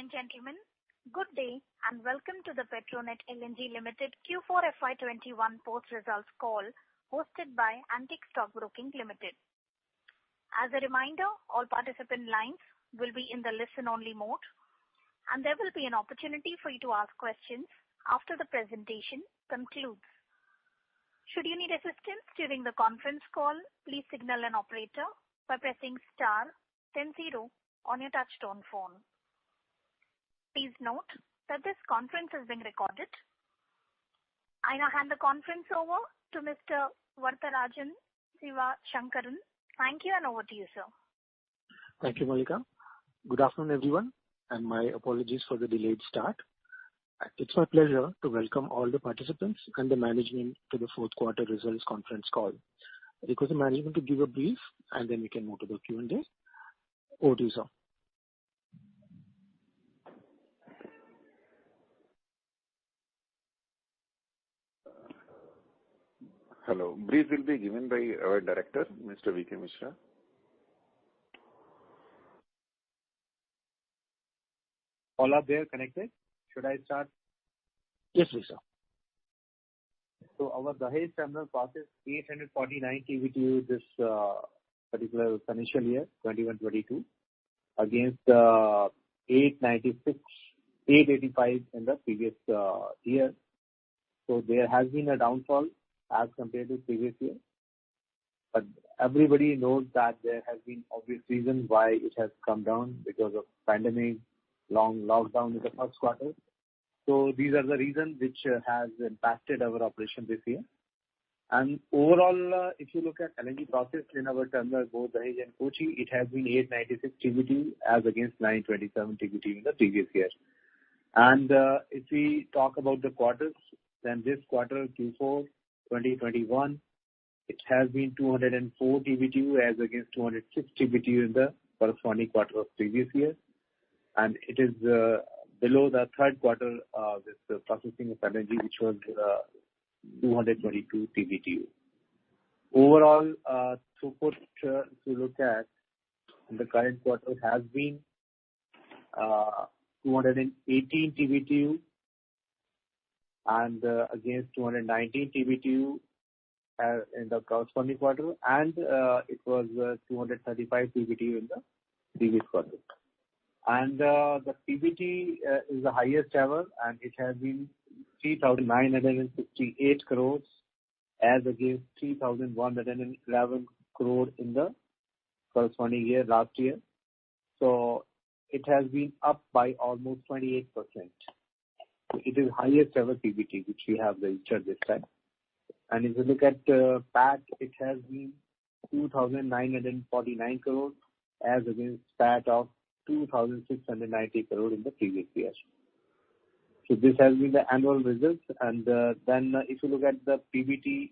Ladies and gentlemen, good day and welcome to the Petronet LNG Limited Q4 FY 2021 post-results call hosted by Antique Stock Broking Limited. As a reminder, all participant lines will be in the listen-only mode, and there will be an opportunity for you to ask questions after the presentation concludes. Should you need assistance during the conference call, please signal an operator by pressing star 100 on your touch-tone phone. Please note that this conference is being recorded. I now hand the conference over to Mr. Varatharajan Sivasankaran. Thank you, and over to you, sir. Thank you, Malika. Good afternoon, everyone, and my apologies for the delayed start. It's my pleasure to welcome all the participants and the management to the fourth quarter results conference call. Request the management to give a brief, and then we can move to the Q&A. Over to you, sir. Hello. Brief will be given by our Director, Mr. V.K. Mishra. All are there connected? Should I start? Yes, please, sir. So our Dahej terminal processed 849 TBtu this particular financial year, 2021-22, against 896, 885 in the previous year. So there has been a downfall as compared to previous years. But everybody knows that there has been obvious reasons why it has come down because of pandemic, long lockdown in the first quarter. So these are the reasons which have impacted our operation this year. And overall, if you look at LNG process in our terminal, both Dahej and Kochi, it has been 896 TBtu as against 927 TBtu in the previous year. And if we talk about the quarters, then this quarter, Q4 2021, it has been 204 TBtu as against 206 TBtu in the corresponding quarter of previous year. And it is below the third quarter with the processing of LNG, which was 222 TBtu. Overall, support to look at in the current quarter has been 218 TBtu against 219 TBtu in the corresponding quarter, and it was 235 TBtu in the previous quarter. The PBT is the highest ever, and it has been 3,968 crore as against 3,111 crore in the corresponding year last year. It has been up by almost 28%. It is highest-ever PBT which we have registered this time. If you look at the PAT, it has been 2,949 crore as against PAT of 2,690 crore in the previous year. This has been the annual results. Then if you look at the PBT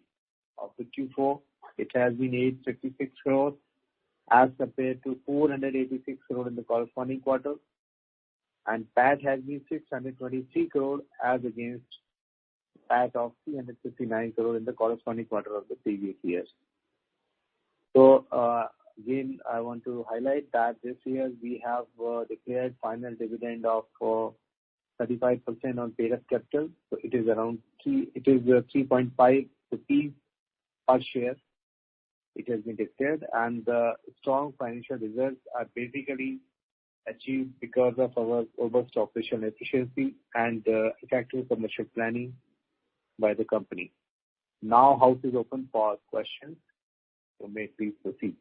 of the Q4, it has been 856 crore as compared to 486 crore in the corresponding quarter. PAT has been 623 crore as against PAT of 359 crore in the corresponding quarter of the previous year. So again, I want to highlight that this year, we have declared final dividend of 35% on paid-up capital. So it is around 3; it is 3.5 rupees per share. It has been declared. And the strong financial results are basically achieved because of our robust operational efficiency and effective commercial planning by the company. Now, house is open for questions. So may I please proceed?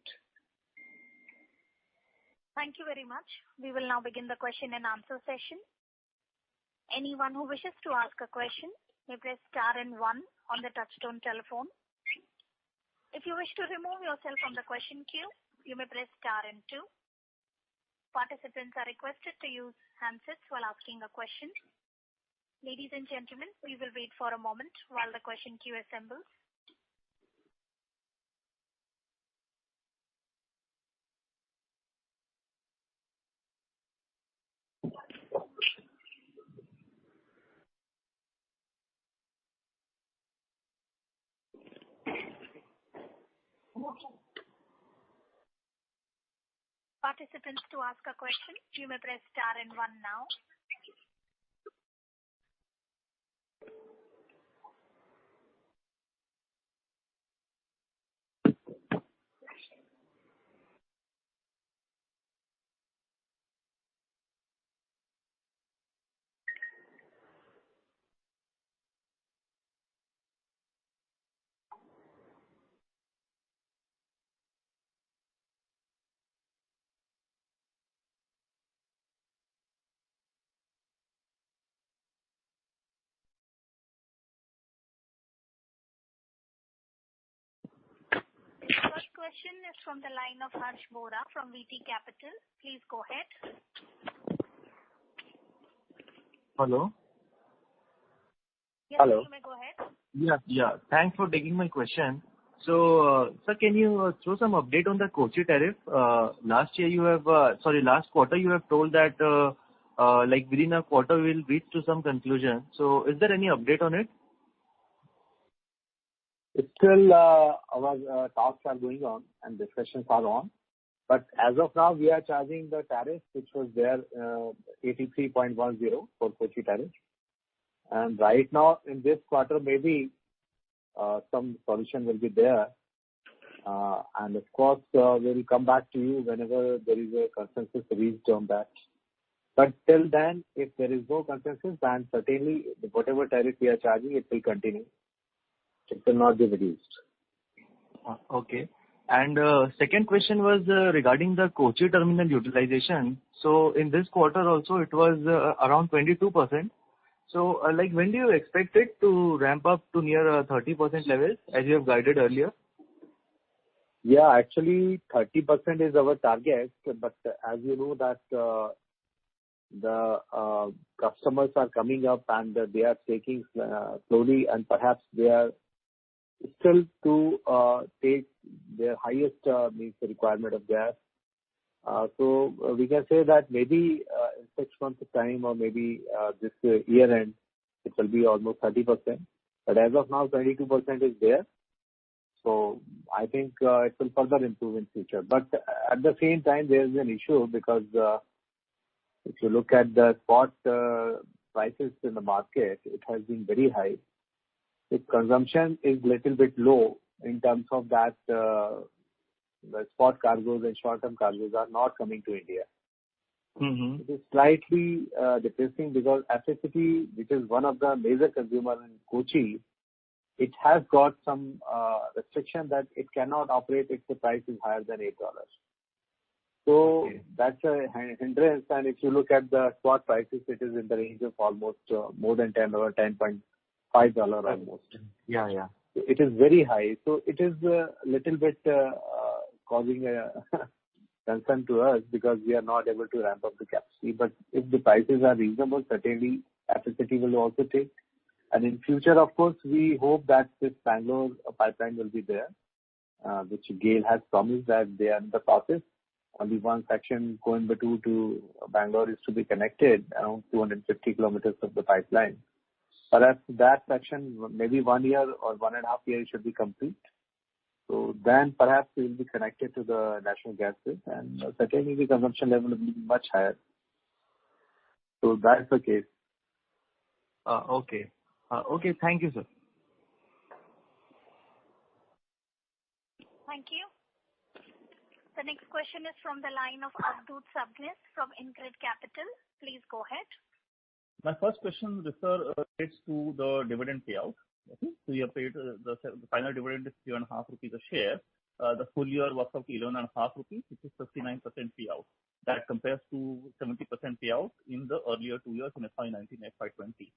Thank you very much. We will now begin the question-and-answer session. Anyone who wishes to ask a question may press star and one on the touch-tone telephone. If you wish to remove yourself from the question queue, you may press star and two. Participants are requested to use handsets while asking a question. Ladies and gentlemen, we will wait for a moment while the question queue assembles. Participants to ask a question, you may press star and one now. First question is from the line of Harsh Bohra from VT Capital. Please go ahead. Hello? Yes, sir. You may go ahead. Yes. Yeah. Thanks for taking my question. So, sir, can you throw some update on the Kochi tariff? Last year, you have sorry, last quarter, you have told that within a quarter, we'll reach to some conclusion. So is there any update on it? It's still our talks are going on and discussions are on. But as of now, we are charging the tariff, which was there 83.10 for Kochi tariff. And right now, in this quarter, maybe some solution will be there. And of course, we'll come back to you whenever there is a consensus reached on that. But till then, if there is no consensus, then certainly, whatever tariff we are charging, it will continue. It will not be reduced. Okay. Second question was regarding the Kochi terminal utilization. In this quarter also, it was around 22%. When do you expect it to ramp up to near 30% levels, as you have guided earlier? Yeah. Actually, 30% is our target. But as you know, the customers are coming up, and they are staking slowly. And perhaps they are still to take their highest requirement of gas. So we can say that maybe in six months' time or maybe this year-end, it will be almost 30%. But as of now, 22% is there. So I think it will further improve in the future. But at the same time, there is an issue because if you look at the spot prices in the market, it has been very high. If consumption is a little bit low in terms of that, the spot cargoes and short-term cargoes are not coming to India. It is slightly depressing because FACT, which is one of the major consumers in Kochi, it has got some restriction that it cannot operate if the price is higher than $8. So that's a hindrance. If you look at the spot prices, it is in the range of almost more than $10-$10.5 almost. So it is very high. So it is a little bit causing concern to us because we are not able to ramp up the capacity. But if the prices are reasonable, certainly, FACT will also take. And in future, of course, we hope that this Bangalore pipeline will be there, which GAIL has promised that they are in the process. Only one section, Coimbatore to Bangalore, is to be connected around 250 km of the pipeline. Perhaps that section, maybe one year or one and a half year, it should be complete. So then perhaps it will be connected to the national gas grid. And certainly, the consumption level will be much higher. So that's the case. Okay. Okay. Thank you, sir. Thank you. The next question is from the line of Avadhoot Sabnis from Inga Ventures. Please go ahead. My first question refers to the dividend payout. So you have paid the final dividend of INR 3.5 a share. The full year was up to INR 11.5, which is 59% payout. That compares to 70% payout in the earlier two years in FY 2019 and FY 2020.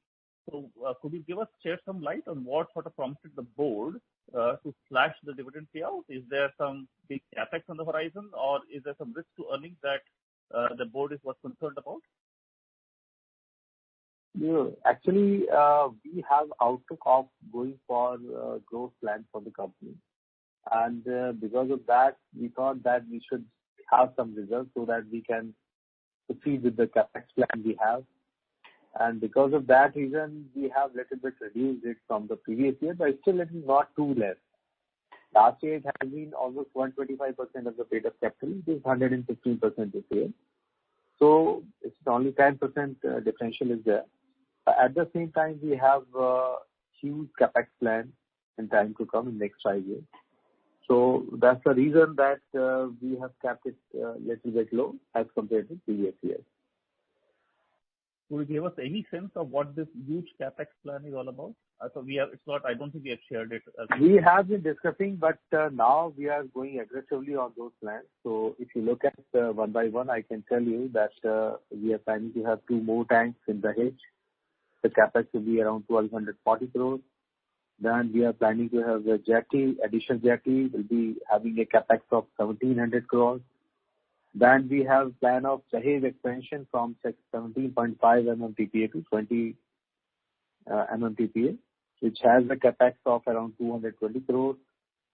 So could you shed some light on what prompted the board to slash the dividend payout? Is there some big CapEx on the horizon, or is there some risk to earnings that the board is concerned about? Actually, we have outlook of going for growth plans for the company. Because of that, we thought that we should have some results so that we can proceed with the CapEx plan we have. Because of that reason, we have a little bit reduced it from the previous year, but still, it is not too less. Last year, it has been almost 125% of the paid-up capital. It is 115% this year. So it's only 10% differential is there. But at the same time, we have a huge CapEx plan in time to come in the next five years. So that's the reason that we have kept it a little bit low as compared to previous years. Could you give us any sense of what this huge CapEx plan is all about? I don't think we have shared it. We have been discussing, but now we are going aggressively on those plans. So if you look at one by one, I can tell you that we are planning to have two more tanks in Dahej. The CapEx will be around 1,240 crore. Then we are planning to have the additional jetty will be having a CapEx of 1,700 crore. Then we have a plan of the Dahej expansion from 17.5 MMTPA to 20 MMTPA, which has a CapEx of around 220 crore.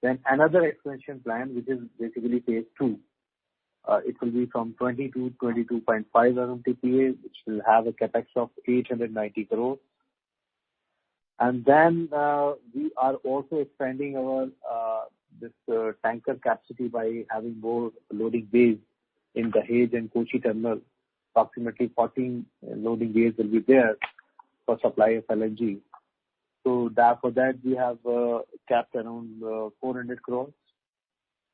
Then another expansion plan, which is basically phase two, it will be from 20 to 22.5 MMTPA, which will have a CapEx of 890 crore. And then we are also expanding this tanker capacity by having more loading bays in Dahej and Kochi terminal. Approximately 14 loading bays will be there for supply of LNG. So for that, we have kept around 400 crore.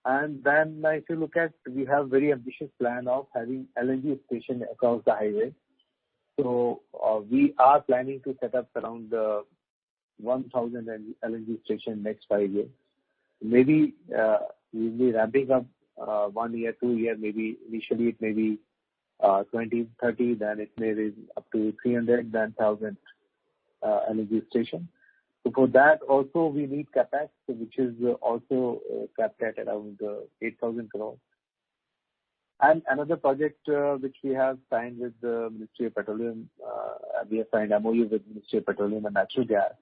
And then if you look at, we have a very ambitious plan of having LNG stations across the highway. So we are planning to set up around 1,000 LNG stations next five years. Maybe we'll be ramping up one year, two year. Maybe initially, it may be 20, 30. Then it may rise up to 300, 1,000 LNG stations. So for that also, we need CapEx, which is also capped at around 8,000 crore. And another project which we have signed with the Ministry of Petroleum we have signed MOU with the Ministry of Petroleum and Natural Gas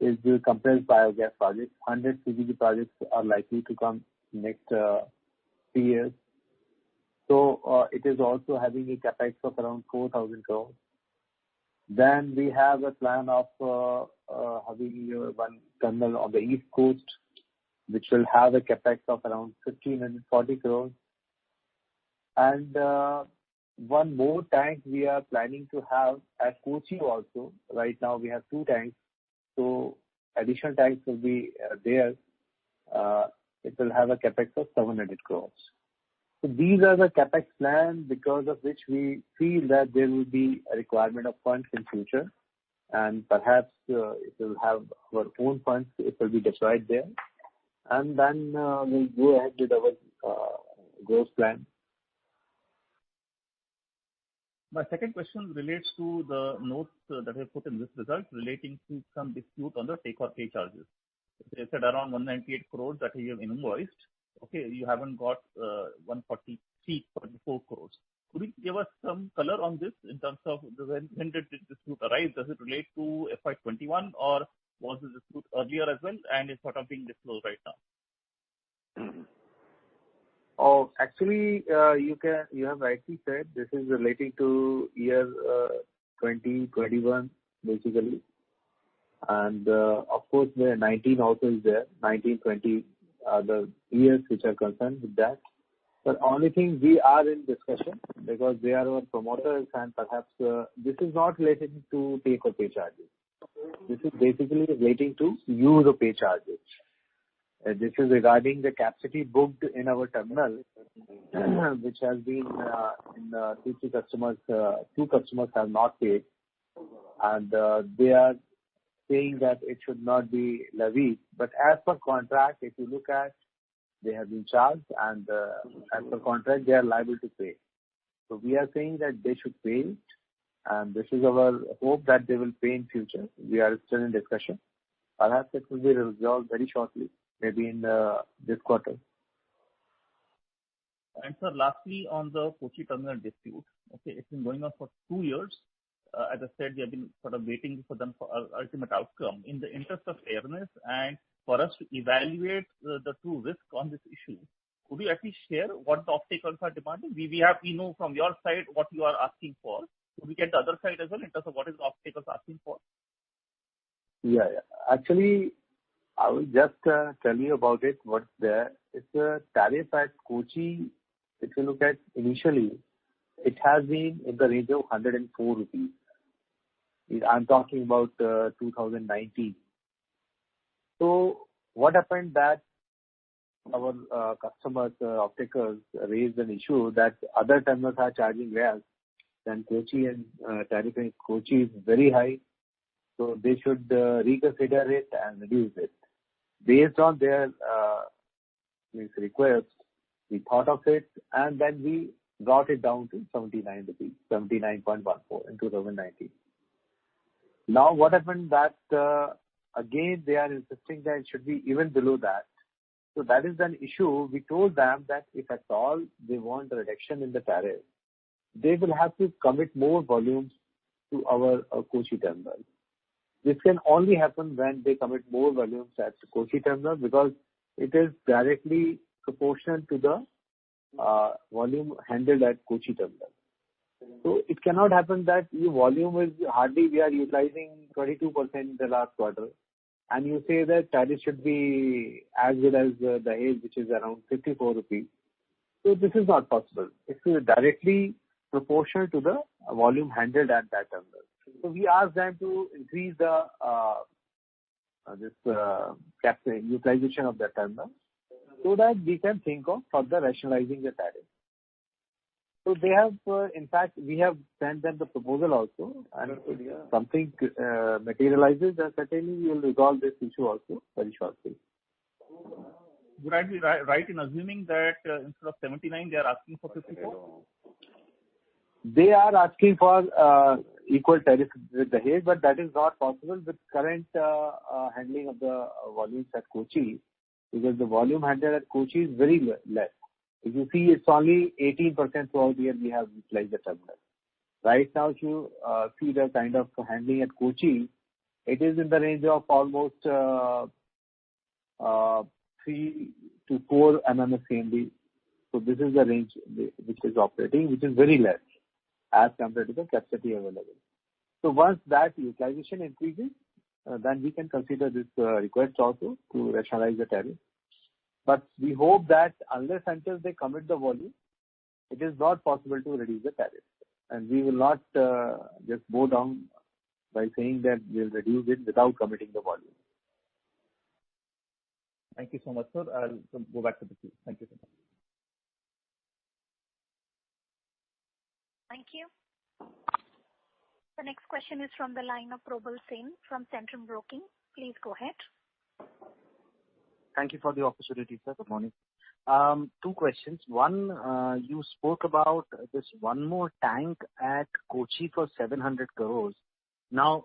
is the compressed biogas project. 100 CBG projects are likely to come next few years. So it is also having a CapEx of around 4,000 crore. Then we have a plan of having one terminal on the east coast, which will have a CapEx of around 1,540 crore. One more tank we are planning to have at Kochi also. Right now, we have two tanks. Additional tanks will be there. It will have a CapEx of 700 crore. These are the CapEx plans because of which we feel that there will be a requirement of funds in the future. Perhaps if we'll have our own funds, it will be deployed there. Then we'll go ahead with our growth plan. My second question relates to the notes that I put in this result relating to some dispute on the take-or-pay charges. You said around 198 crore that you have invoiced. Okay. You haven't got 144 crore. Could you give us some color on this in terms of when did this dispute arise? Does it relate to FY 2021, or was the dispute earlier as well, and it's sort of being disclosed right now? Oh, actually, you have rightly said. This is relating to year 2021, basically. And of course, the 2019 also is there. 2019, 2020 are the years which are concerned with that. But the only thing we are in discussion because they are our promoters and perhaps this is not relating to take-or-pay charges. This is basically relating to use-or-pay charges. This is regarding the capacity booked in our terminal, which has been in the two customers two customers have not paid. And they are saying that it should not be levied. But as per contract, if you look at. They have been charged. And as per contract, they are liable to pay. So we are saying that they should pay. And this is our hope that they will pay in the future. We are still in discussion. Perhaps it will be resolved very shortly, maybe in this quarter. Sir, lastly, on the Kochi terminal dispute, okay, it's been going on for two years. As I said, we have been sort of waiting for the ultimate outcome. In the interest of fairness and for us to evaluate the true risk on this issue, could you at least share what the off-takers are demanding? We know from your side what you are asking for. Could we get the other side as well in terms of what the off-takers are asking for? Yeah. Yeah. Actually, I will just tell you about it, what's there. It's a tariff at Kochi. If you look at initially, it has been in the range of 104 rupees. I'm talking about 2019. So what happened that our customers and stakeholders raised an issue that other terminals are charging less than Kochi and tariff at Kochi is very high? So they should reconsider it and reduce it. Based on their requests, we thought of it, and then we brought it down to 79.14 in 2019. Now, what happened that again, they are insisting that it should be even below that. So that is an issue. We told them that if at all they want a reduction in the tariff, they will have to commit more volumes to our Kochi terminal. This can only happen when they commit more volumes at the Kochi terminal because it is directly proportional to the volume handled at Kochi terminal. So it cannot happen that your volume is hardly we are utilizing 22% in the last quarter, and you say that tariff should be as good as Dahej, which is around 54 rupees. So this is not possible. It's directly proportional to the volume handled at that terminal. So we asked them to increase this utilization of that terminal so that we can think of further rationalizing the tariff. So in fact, we have sent them the proposal also. And something materializes, then certainly, we will resolve this issue also very shortly. Would I be right in assuming that instead of 79, they are asking for 54? They are asking for equal tariffs with Dahej, but that is not possible with current handling of the volumes at Kochi because the volume handled at Kochi is very less. If you see, it's only 18% throughout the year we have utilized the terminal. Right now, if you see the kind of handling at Kochi, it is in the range of almost 3-4 MMSCMD. So this is the range which is operating, which is very less as compared to the capacity available. So once that utilization increases, then we can consider this request also to rationalize the tariff. But we hope that unless until they commit the volume, it is not possible to reduce the tariff. And we will not just go down by saying that we'll reduce it without committing the volume. Thank you so much, sir. I'll go back to the team. Thank you so much. Thank you. The next question is from the line of Probal Sen from Centrum Broking. Please go ahead. Thank you for the opportunity, sir. Good morning. Two questions. One, you spoke about this one more tank at Kochi for 700 crore. Now,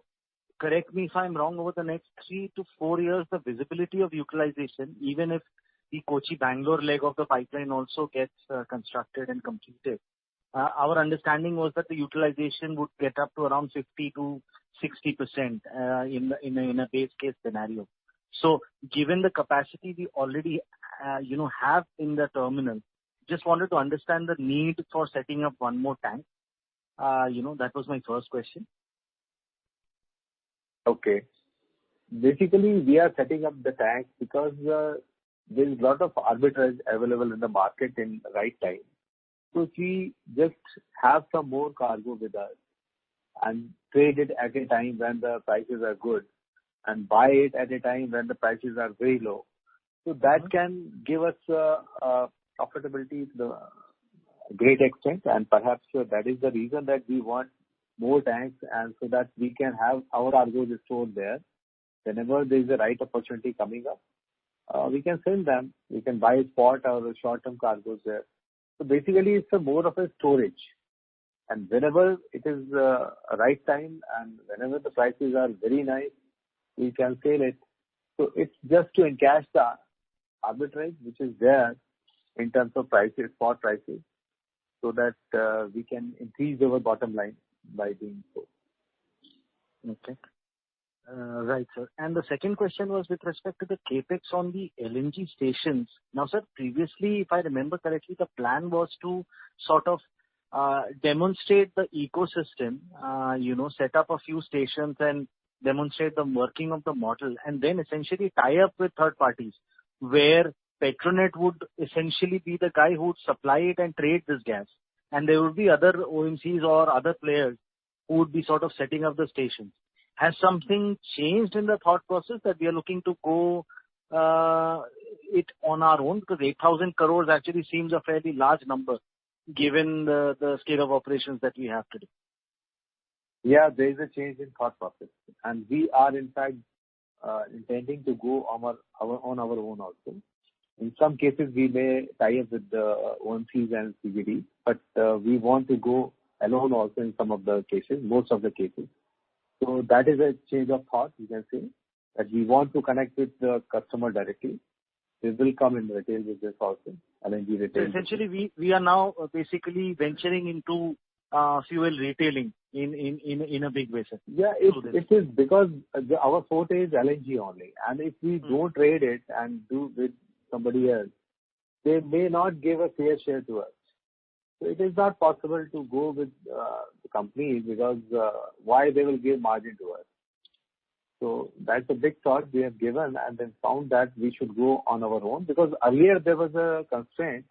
correct me if I'm wrong. Over the next three to four years, the visibility of utilization, even if the Kochi-Bangalore leg of the pipeline also gets constructed and completed, our understanding was that the utilization would get up to around 50%-60% in a base-case scenario. So given the capacity we already have in the terminal, just wanted to understand the need for setting up one more tank. That was my first question. Okay. Basically, we are setting up the tanks because there's a lot of arbitrage available in the market in the right time. So if we just have some more cargo with us and trade it at a time when the prices are good and buy it at a time when the prices are very low, so that can give us profitability to a great extent. And perhaps that is the reason that we want more tanks and so that we can have our cargoes stored there. Whenever there's the right opportunity coming up, we can sell them. We can buy spot or short-term cargoes there. So basically, it's more of a storage. And whenever it is the right time and whenever the prices are very nice, we can sell it. So it's just to encash the arbitrage, which is there in terms of spot prices so that we can increase our bottom line by doing so. Okay. Right, sir. And the second question was with respect to the CapEx on the LNG stations. Now, sir, previously, if I remember correctly, the plan was to sort of demonstrate the ecosystem, set up a few stations, and demonstrate the working of the model, and then essentially tie up with third parties where Petronet would essentially be the guy who would supply it and trade this gas. And there would be other OMCs or other players who would be sort of setting up the stations. Has something changed in the thought process that we are looking to go it on our own because 8,000 crore actually seems a fairly large number given the scale of operations that we have today? Yeah. There is a change in thought process. And we are, in fact, intending to go on our own also. In some cases, we may tie up with the OMCs and CGDs. But we want to go alone also in some of the cases, most of the cases. So that is a change of thought, you can say, that we want to connect with the customer directly. They will come and retail with us also, LNG retailers. Essentially, we are now basically venturing into fuel retailing in a big way, sir. Yeah. It is because our forte is LNG only. And if we don't trade it and do with somebody else, they may not give a fair share to us. So it is not possible to go with the company because why they will give margin to us? So that's a big thought we have given and then found that we should go on our own because earlier, there was a constraint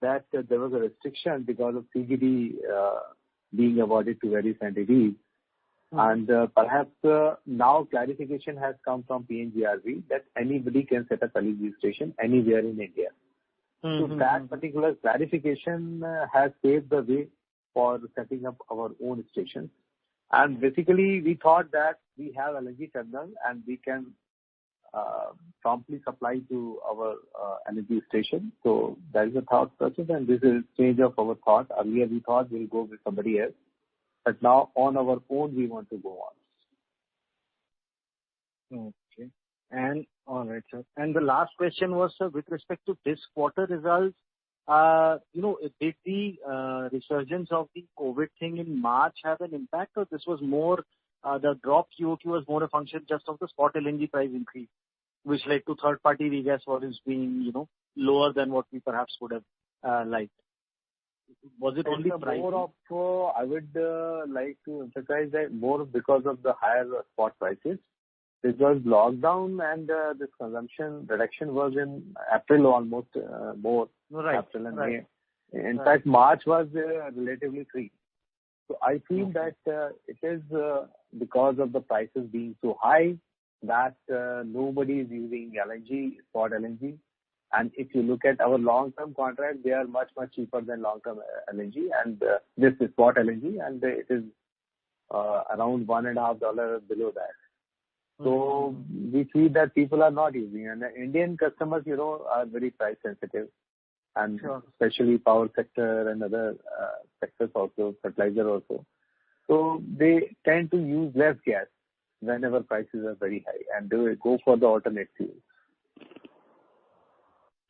that there was a restriction because of CGD being awarded to various entities. And perhaps now clarification has come from PNGRB that anybody can set up LNG station anywhere in India. So that particular clarification has paved the way for setting up our own stations. And basically, we thought that we have LNG terminal, and we can promptly supply to our LNG station. So that is a thought process. And this is a change of our thought. Earlier, we thought we'll go with somebody else. But now, on our own, we want to go on. Okay. All right, sir. The last question was, sir, with respect to this quarter results, did the resurgence of the COVID thing in March have an impact, or this was more the drop? You thought it was more a function just of the spot LNG price increase, which led to third-party regas for it being lower than what we perhaps would have liked? Was it only price? It was more of I would like to emphasize that more because of the higher spot prices. Because lockdown and this consumption reduction was in April almost, more April and May. In fact, March was relatively free. So I feel that it is because of the prices being so high that nobody is using spot LNG. And if you look at our long-term contract, they are much, much cheaper than long-term LNG. And this is spot LNG, and it is around $1.5 below that. So we see that people are not using. And Indian customers are very price-sensitive, especially power sector and other sectors also, fertilizer also. So they tend to use less gas whenever prices are very high and go for the alternate fuels.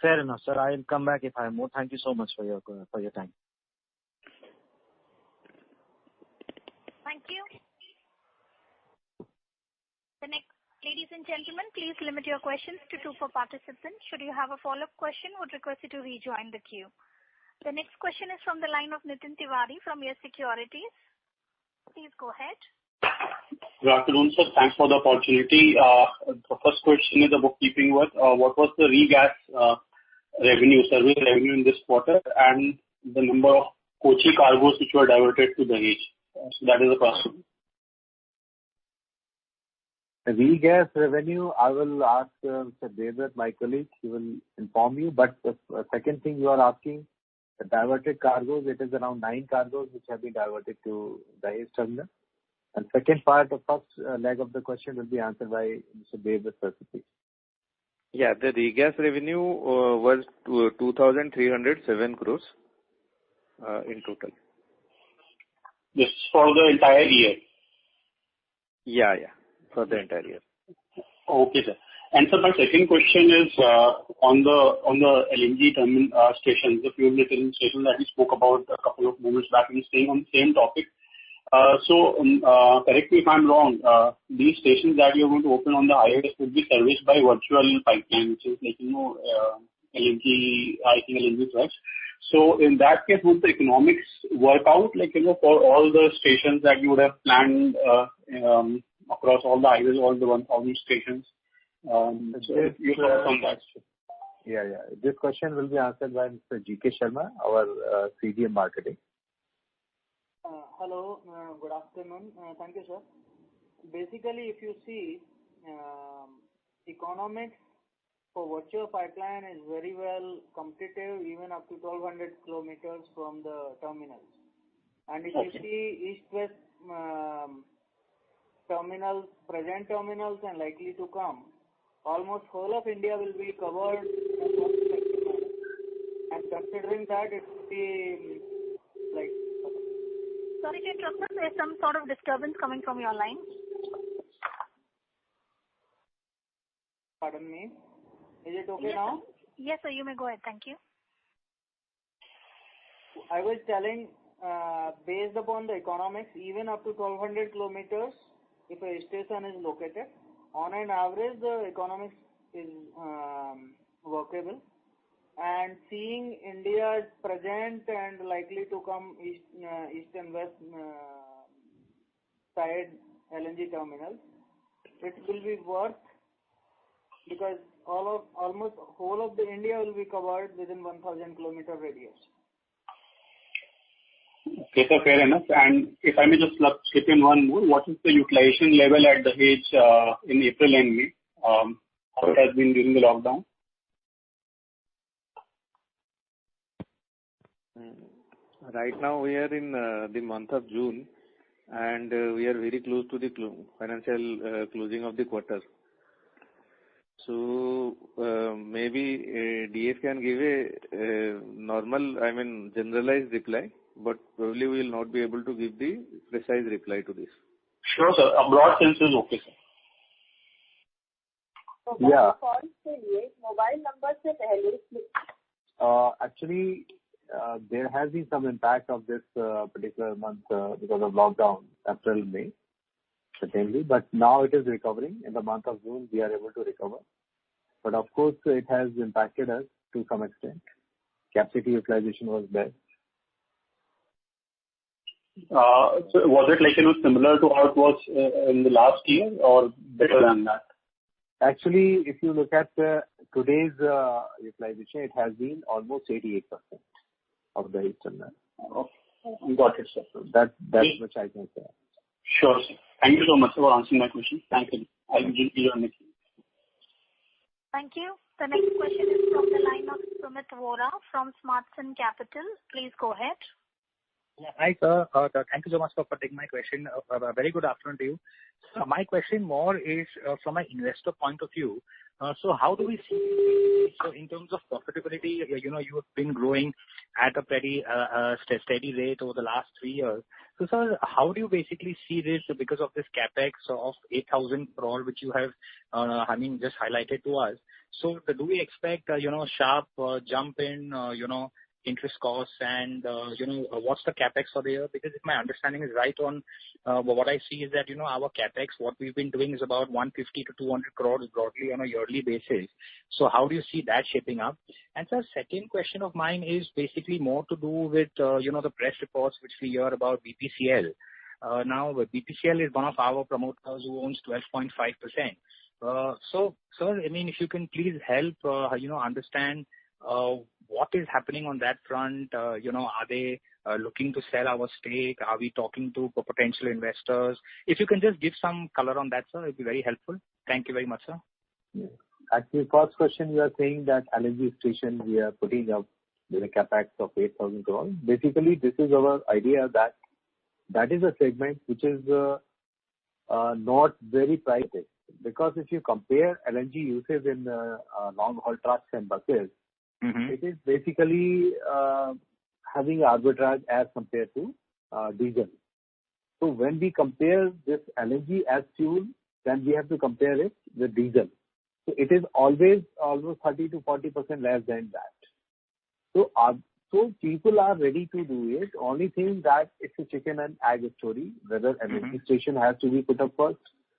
Fair enough, sir. I'll come back if I have more. Thank you so much for your time. Thank you. Ladies and gentlemen, please limit your questions to two per participant. Should you have a follow-up question, we would request you to rejoin the queue. The next question is from the line of Nitin Tiwari from YES Securities. Please go ahead. Good afternoon, sir. Thanks for the opportunity. The first question is about keeping with what was the regas revenue, service revenue in this quarter, and the number of Kochi cargoes which were diverted to Dahej. So that is a question. Regas revenue, I will ask Sir David, my colleague. He will inform you. But the second thing you are asking, the diverted cargoes, it is around nine cargoes which have been diverted to the Dahej terminal. And the second part, the first leg of the question, will be answered by Mr. David, first, please. Yeah. The regas revenue was 2,307 crore in total. This is for the entire year? Yeah. Yeah. For the entire year. Okay, sir. And sir, my second question is on the LNG stations, the fuel retailing stations that we spoke about a couple of months back. We were sticking on the same topic. So correct me if I'm wrong. These stations that you're going to open on the highways would be serviced by virtual pipelines, which is LNG, I think, LNG trucks. So in that case, would the economics work out for all the stations that you would have planned across all the highways, all the 1,000 stations? So if you can answer on that. Yeah. Yeah. This question will be answered by Mr. G.K. Sharma, our CGM Marketing. Hello. Good afternoon. Thank you, sir. Basically, if you see, economics for virtual pipeline is very well competitive even up to 1,200 kilometers from the terminals. And if you see east-west terminals, present terminals, and likely to come, almost all of India will be covered in that sector. And considering that, it would be. Sorry, can you talk to us? There's some sort of disturbance coming from your line. Pardon me. Is it okay now? Yes, sir. You may go ahead. Thank you. I was telling, based upon the economics, even up to 1,200 kilometers, if a station is located, on an average, the economics is workable. Seeing India's present and likely to come east and west side LNG terminals, it will be worth because almost all of India will be covered within 1,000-kilometer radius. Okay. So fair enough. And if I may just skip in one more, what is the utilization level at Dahej in April and May? How it has been during the lockdown? Right now, we are in the month of June, and we are very close to the financial closing of the quarter. So maybe DF can give a normal, I mean, generalized reply, but probably we will not be able to give the precise reply to this. Sure, sir. A broad sense is okay, sir. Okay. Over to DF, what the numbers should be? Actually, there has been some impact of this particular month because of lockdown, April and May, certainly. But now it is recovering. In the month of June, we are able to recover. But of course, it has impacted us to some extent. Capacity utilization was best. Was it similar to how it was in the last year or better than that? Actually, if you look at today's utilization, it has been almost 88% of the Dahej terminal. Okay. Got it, sir. That's much I can say. Sure, sir. Thank you so much for answering my question. Thank you. I'll leave you on the queue. Thank you. The next question is from the line of Someshu Vora from Smart Sync Services. Please go ahead. Hi, sir. Thank you so much for taking my question. Very good afternoon to you. So my question more is from an investor point of view. So how do we see so in terms of profitability, you have been growing at a pretty steady rate over the last three years. So sir, how do you basically see this because of this CapEx of 8,000 crore, which you have, I mean, just highlighted to us? So do we expect a sharp jump in interest costs? And what's the CapEx for the year? Because if my understanding is right on what I see is that our CapEx, what we've been doing is about 150 crore-200 crore broadly on a yearly basis. So how do you see that shaping up? And sir, second question of mine is basically more to do with the press reports which we hear about BPCL. Now, BPCL is one of our promoters who owns 12.5%. So sir, I mean, if you can please help understand what is happening on that front. Are they looking to sell our stake? Are we talking to potential investors? If you can just give some color on that, sir, it would be very helpful. Thank you very much, sir. Actually, first question, you are saying that LNG station, we are putting up with a CapEx of 8,000 crore. Basically, this is our idea that that is a segment which is not very pricey because if you compare LNG usage in long-haul trucks and buses, it is basically having arbitrage as compared to diesel. So when we compare this LNG as fuel, then we have to compare it with diesel. So it is always almost 30%-40% less than that. So people are ready to do it, only thing that it's a chicken-and-egg story whether LNG station has to be put up first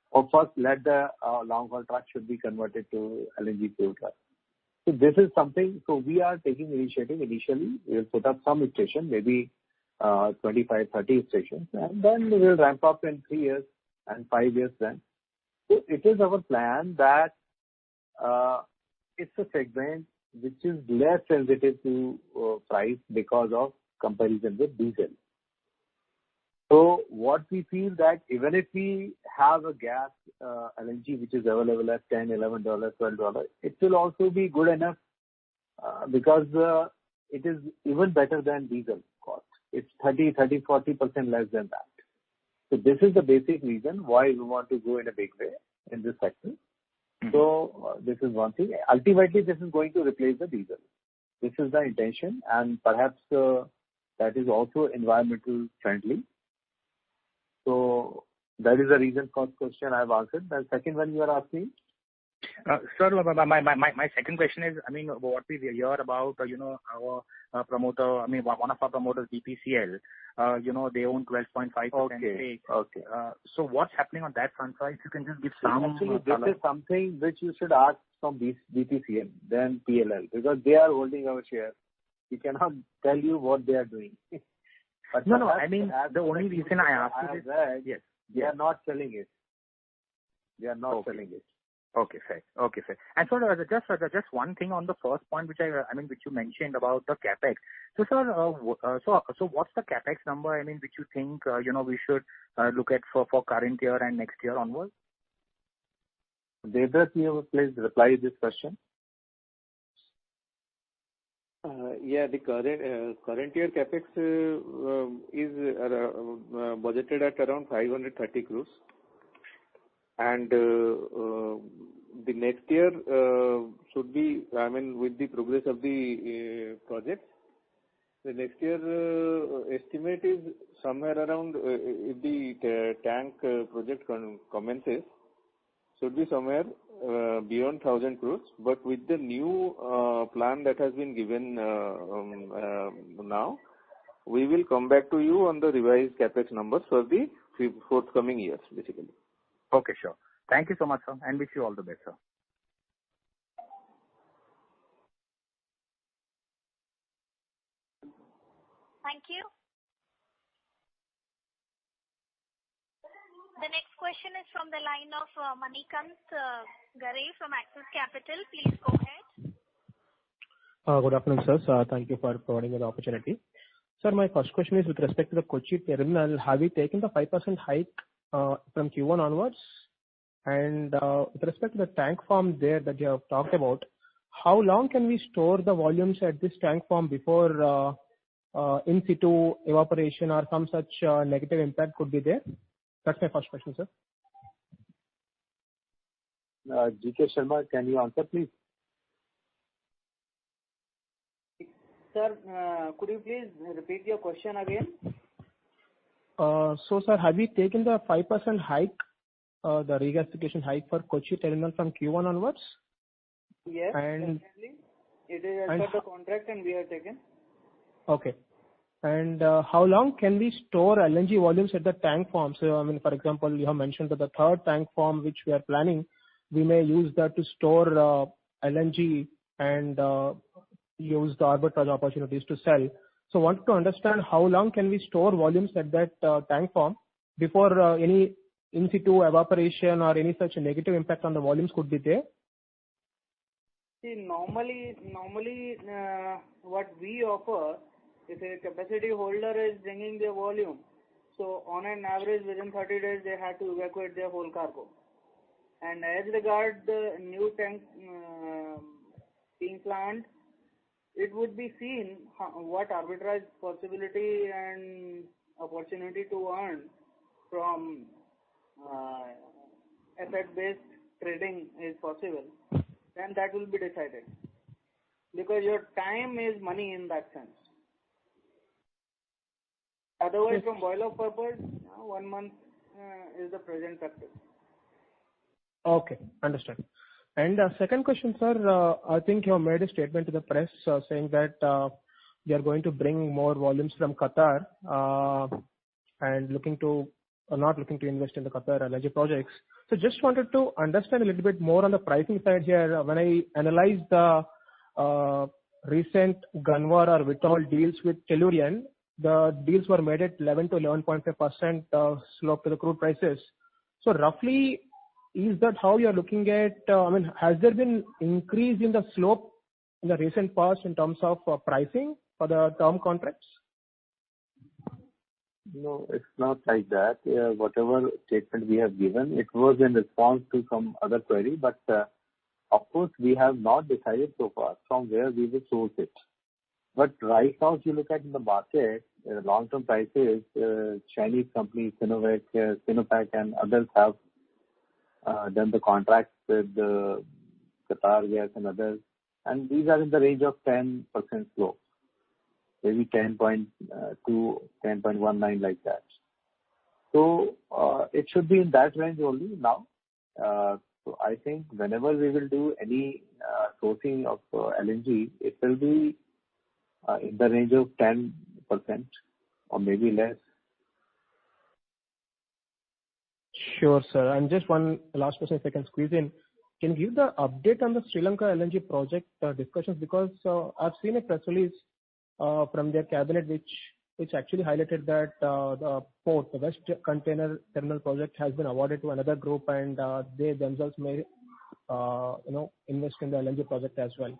or first let the long-haul truck should be converted to LNG fuel truck. So this is something so we are taking initiative. Initially, we will put up some station, maybe 25, 30 stations, and then we'll ramp up in three years and five years then. So it is our plan that it's a segment which is less sensitive to price because of comparison with diesel. So what we feel that even if we have a gas LNG which is available at $10-$12, it will also be good enough because it is even better than diesel cost. It's 30%, 30%, 40% less than that. So this is the basic reason why we want to go in a big way in this sector. So this is one thing. Ultimately, this is going to replace the diesel. This is the intention. And perhaps that is also environmentally friendly. So that is the reason for the question I've answered. The second one you are asking? Sir, my second question is, I mean, what we hear about our promoter I mean, one of our promoters, BPCL, they own 12.5% stake. So what's happening on that front, sir? If you can just give some of the data. Actually, this is something which you should ask from BPCL, then PLL because they are holding our share. We cannot tell you what they are doing. But sir, I have to ask. No, no. I mean, the only reason I ask you this. Yes. They are not selling it. They are not selling it. Okay. Okay. Fair. Okay. Fair. And sir, just one thing on the first point, which I mean, which you mentioned about the CapEx. So sir, so what's the CapEx number, I mean, which you think we should look at for current year and next year onwards? David, can you reply to this question? Yeah. The current year CapEx is budgeted at around 530 crore. And the next year should be I mean, with the progress of the project, the next year estimate is somewhere around if the tank project commences, should be somewhere beyond 1,000 crore. But with the new plan that has been given now, we will come back to you on the revised CapEx numbers for the forthcoming years, basically. Okay. Sure. Thank you so much, sir. Wish you all the best, sir. Thank you. The next question is from the line of Manikantha Garre from Axis Capital. Please go ahead. Good afternoon, sir. Thank you for providing the opportunity. Sir, my first question is with respect to the Kochi terminal, have we taken the 5% hike from Q1 onwards? And with respect to the tank farm there that you have talked about, how long can we store the volumes at this tank farm before in-situ evaporation or some such negative impact could be there? That's my first question, sir. G.K. Sharma, can you answer, please? Sir, could you please repeat your question again? Sir, have we taken the 5% hike, the regasification hike for Kochi terminal from Q1 onwards? Yes. Definitely. It is under the contract, and we have taken. Okay. And how long can we store LNG volumes at the tank farm? So I mean, for example, you have mentioned that the third tank farm, which we are planning, we may use that to store LNG and use the arbitrage opportunities to sell. So I want to understand how long can we store volumes at that tank farm before any in-situ evaporation or any such negative impact on the volumes could be there? See, normally, what we offer, if a capacity holder is bringing their volume, so on an average, within 30 days, they have to evacuate their whole cargo. And as regard to the new tank being planned, it would be seen what arbitrage possibility and opportunity to earn from asset-based trading is possible. Then that will be decided because your time is money in that sense. Otherwise, from boil-off purpose, one month is the present practice. Okay. Understood. And second question, sir, I think you have made a statement to the press saying that you are going to bring more volumes from Qatar and not looking to invest in the Qatar LNG projects. So just wanted to understand a little bit more on the pricing side here. When I analyzed the recent Gunvor or Vitol deals with Tellurian, the deals were made at 11%-11.5% slope to the crude prices. So roughly, is that how you are looking at I mean, has there been an increase in the slope in the recent past in terms of pricing for the term contracts? No, it's not like that. Whatever statement we have given, it was in response to some other query. But of course, we have not decided so far from where we will source it. But right now, if you look at the market, the long-term prices, Chinese companies, CNOOC, Sinopec, and others have done the contracts with QatarEnergy and others. And these are in the range of 10% slope, maybe 10.2%, 10.19%, like that. So it should be in that range only now. So I think whenever we will do any sourcing of LNG, it will be in the range of 10% or maybe less. Sure, sir. And just one last question if I can squeeze in. Can you give the update on the Sri Lanka LNG project discussions? Because I've seen a press release from their cabinet which actually highlighted that the port, the West Container Terminal project, has been awarded to another group, and they themselves may invest in the LNG project as well.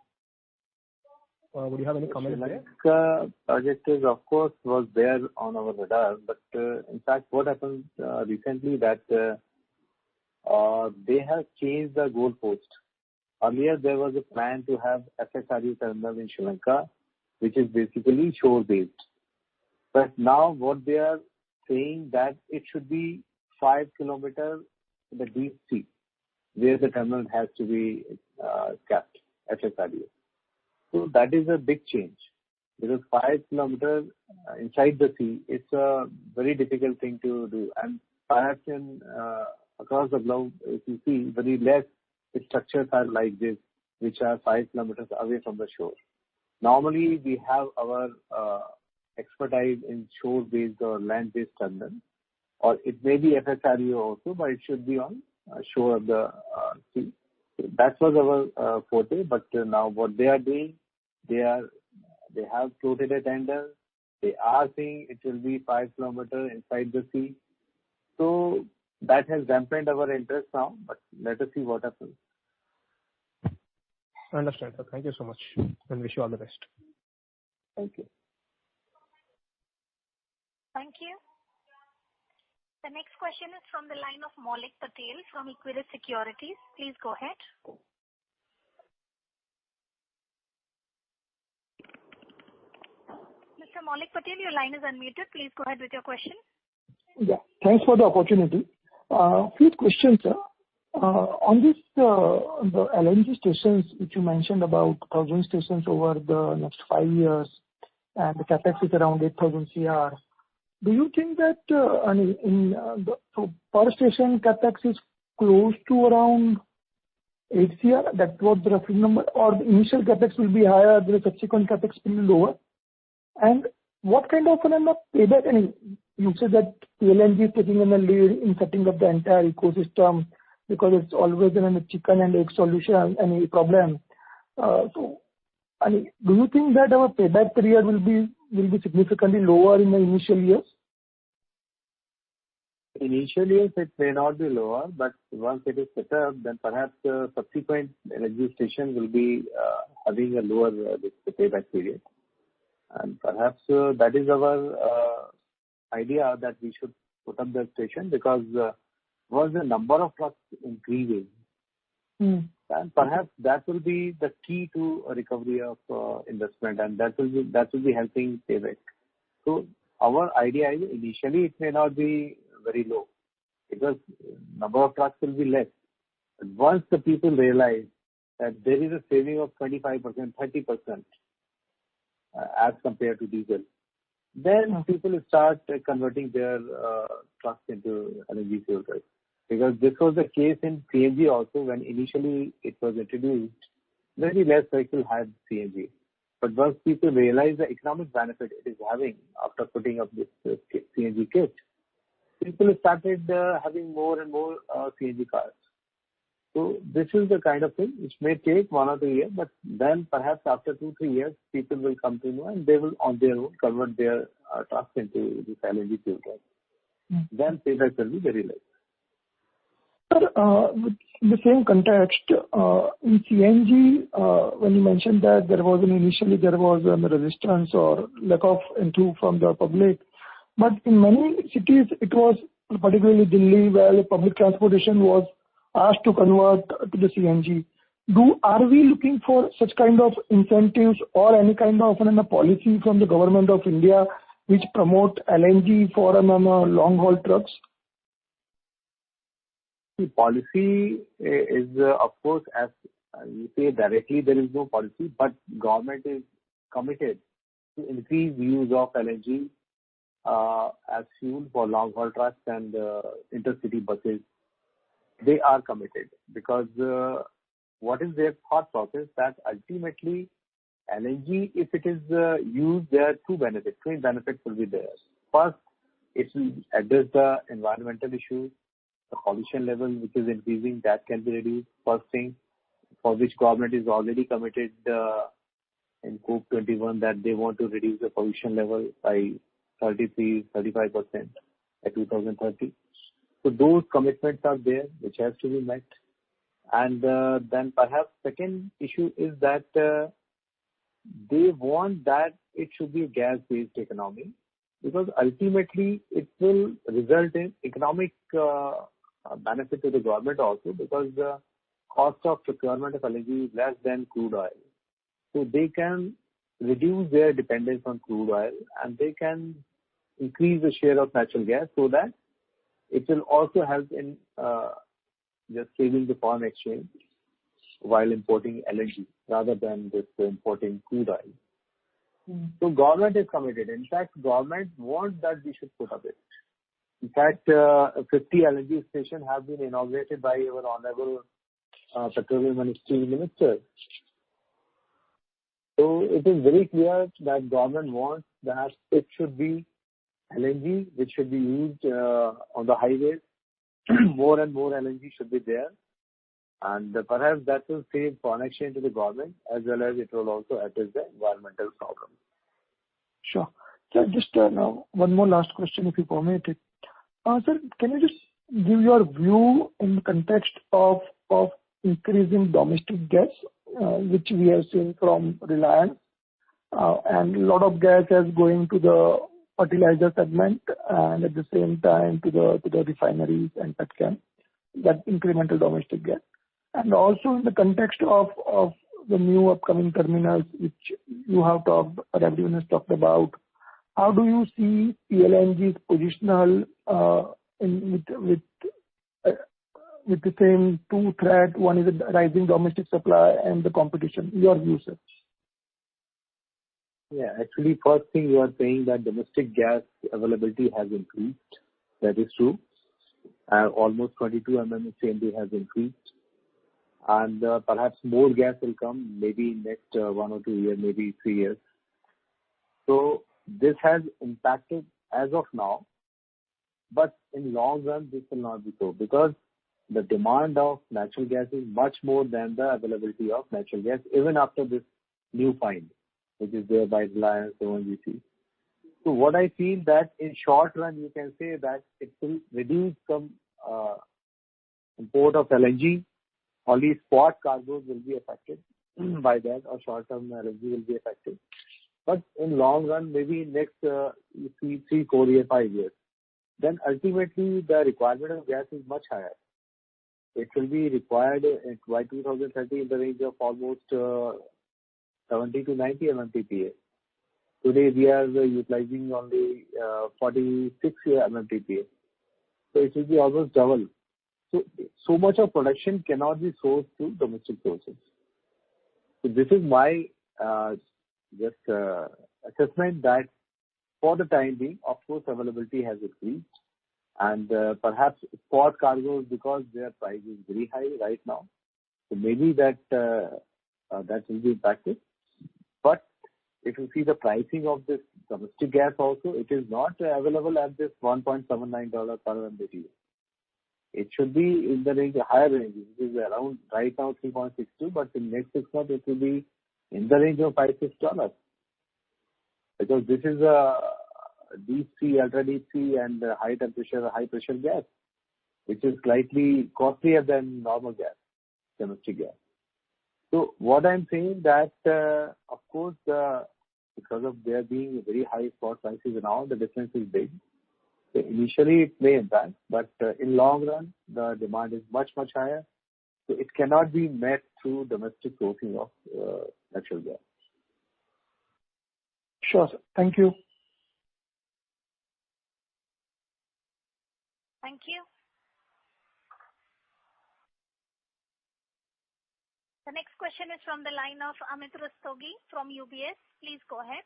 Would you have any comments there? Sri Lanka project is, of course, was there on our radar. But in fact, what happened recently is that they have changed the goal post. Earlier, there was a plan to have FSRU terminal in Sri Lanka, which is basically shore-based. But now what they are saying is that it should be 5 km in the deep sea where the terminal has to be capped, FSRU. So that is a big change because 5 km inside the sea, it's a very difficult thing to do. And perhaps across the globe, if you see, very few structures are like this, which are 5 km away from the shore. Normally, we have our expertise in shore-based or land-based terminals. Or it may be FSRU also, but it should be on shore of the sea. So that was our forte. But now what they are doing, they have quoted a tender. They are saying it will be 5 km inside the sea. So that has dampened our interest now. But let us see what happens. Understood, sir. Thank you so much. And wish you all the best. Thank you. Thank you. The next question is from the line of Maulik Patel from Equirus Securities. Please go ahead. Mr. Maulik Patel, your line is unmuted. Please go ahead with your question. Yeah. Thanks for the opportunity. Few questions, sir. On the LNG stations which you mentioned about 1,000 stations over the next 5 years and the CapEx is around 8,000 crore, do you think that I mean, so per station, CapEx is close to around 8 crore? That was the roughly number? Or the initial CapEx will be higher and the subsequent CapEx will be lower? And what kind of payback I mean, you said that PLNG is taking an early lead in setting up the entire ecosystem because it's always in a chicken-and-egg solution, any problem. So I mean, do you think that our payback period will be significantly lower in the initial years? Initial years, it may not be lower. But once it is set up, then perhaps subsequent LNG stations will be having a lower payback period. And perhaps that is our idea that we should put up the station because once the number of trucks increases, then perhaps that will be the key to recovery of investment. And that will be helping payback. So our idea is initially, it may not be very low because the number of trucks will be less. But once the people realize that there is a saving of 25%, 30% as compared to diesel, then people will start converting their trucks into LNG-fitted because this was the case in PNG also when initially it was introduced. Very few vehicles had CNG. But once people realize the economic benefit it is having after putting up this CNG kit, people started having more and more CNG cars. So this is the kind of thing which may take one or two years. But then perhaps after two-three years, people will come to know, and they will, on their own, convert their trucks into these LNG filters. Then payback will be very less. Sir, with the same context, in CNG, when you mentioned that initially, there was a resistance or lack of input from the public. But in many cities, particularly Delhi, where public transportation was asked to convert to the CNG, are we looking for such kind of incentives or any kind of policy from the Government of India which promotes LNG for long-haul trucks? The policy is, of course, as you say directly, there is no policy. But government is committed to increase the use of LNG as fuel for long-haul trucks and intercity buses. They are committed because what is their thought process is that ultimately, LNG, if it is used, there are two benefits. Main benefits will be there. First, it will address the environmental issue, the pollution level which is increasing. That can be reduced, first thing, for which government is already committed in COP21 that they want to reduce the pollution level by 33%-35% by 2030. So those commitments are there which have to be met. And then perhaps the second issue is that they want that it should be a gas-based economy because ultimately, it will result in economic benefit to the government also because the cost of procurement of LNG is less than crude oil. So they can reduce their dependence on crude oil, and they can increase the share of natural gas so that it will also help in just saving the foreign exchange while importing LNG rather than just importing crude oil. So government is committed. In fact, government wants that we should put up it. In fact, 50 LNG stations have been inaugurated by our Honorable Petroleum and Natural Gas Minister. So it is very clear that government wants that it should be LNG which should be used on the highways. More and more LNG should be there. And perhaps that will save connection to the government as well as it will also address the environmental problem. Sure. Sir, just one more last question if you permit it. Sir, can you just give your view in the context of increasing domestic gas which we have seen from Reliance? And a lot of gas is going to the fertilizer segment and at the same time to the refineries and petchem, that incremental domestic gas. And also in the context of the new upcoming terminals which you have talked or everyone has talked about, how do you see PLNG's position with the same two threats? One is the rising domestic supply and the competition. Your view, sir. Yeah. Actually, first thing, you are saying that domestic gas availability has increased. That is true. Almost 22 MMSCMD has increased. And perhaps more gas will come maybe in the next one or two years, maybe three years. So this has impacted as of now. But in the long run, this will not be so because the demand of natural gas is much more than the availability of natural gas even after this new find which is there by Reliance ONGC. So what I feel is that in the short run, you can say that it will reduce some import of LNG. Only spot cargoes will be affected by that or short-term LNG will be affected. But in the long run, maybe in the next three, four years, five years, then ultimately, the requirement of gas is much higher. It will be required by 2030 in the range of almost 70-90 MMTPA. Today, we are utilizing only 46 MMTPA. So it will be almost double. So much of production cannot be sourced through domestic sources. So this is my just assessment that for the time being, of course, availability has increased. And perhaps spot cargoes because their price is very high right now, so maybe that will be impacted. But if you see the pricing of this domestic gas also, it is not available at this $1.79 per MMBtu. It should be in the higher range. It is around right now $3.62. But in the next six months, it will be in the range of $5-$6 because this is a deep sea, ultra-deep sea, and high-pressure gas which is slightly costlier than normal gas, domestic gas. So what I'm saying is that, of course, because of there being very high spot prices around, the difference is big. So initially, it may impact. But in the long run, the demand is much, much higher. So it cannot be met through domestic sourcing of natural gas. Sure, sir. Thank you. Thank you. The next question is from the line of Amit Rustagi from UBS. Please go ahead.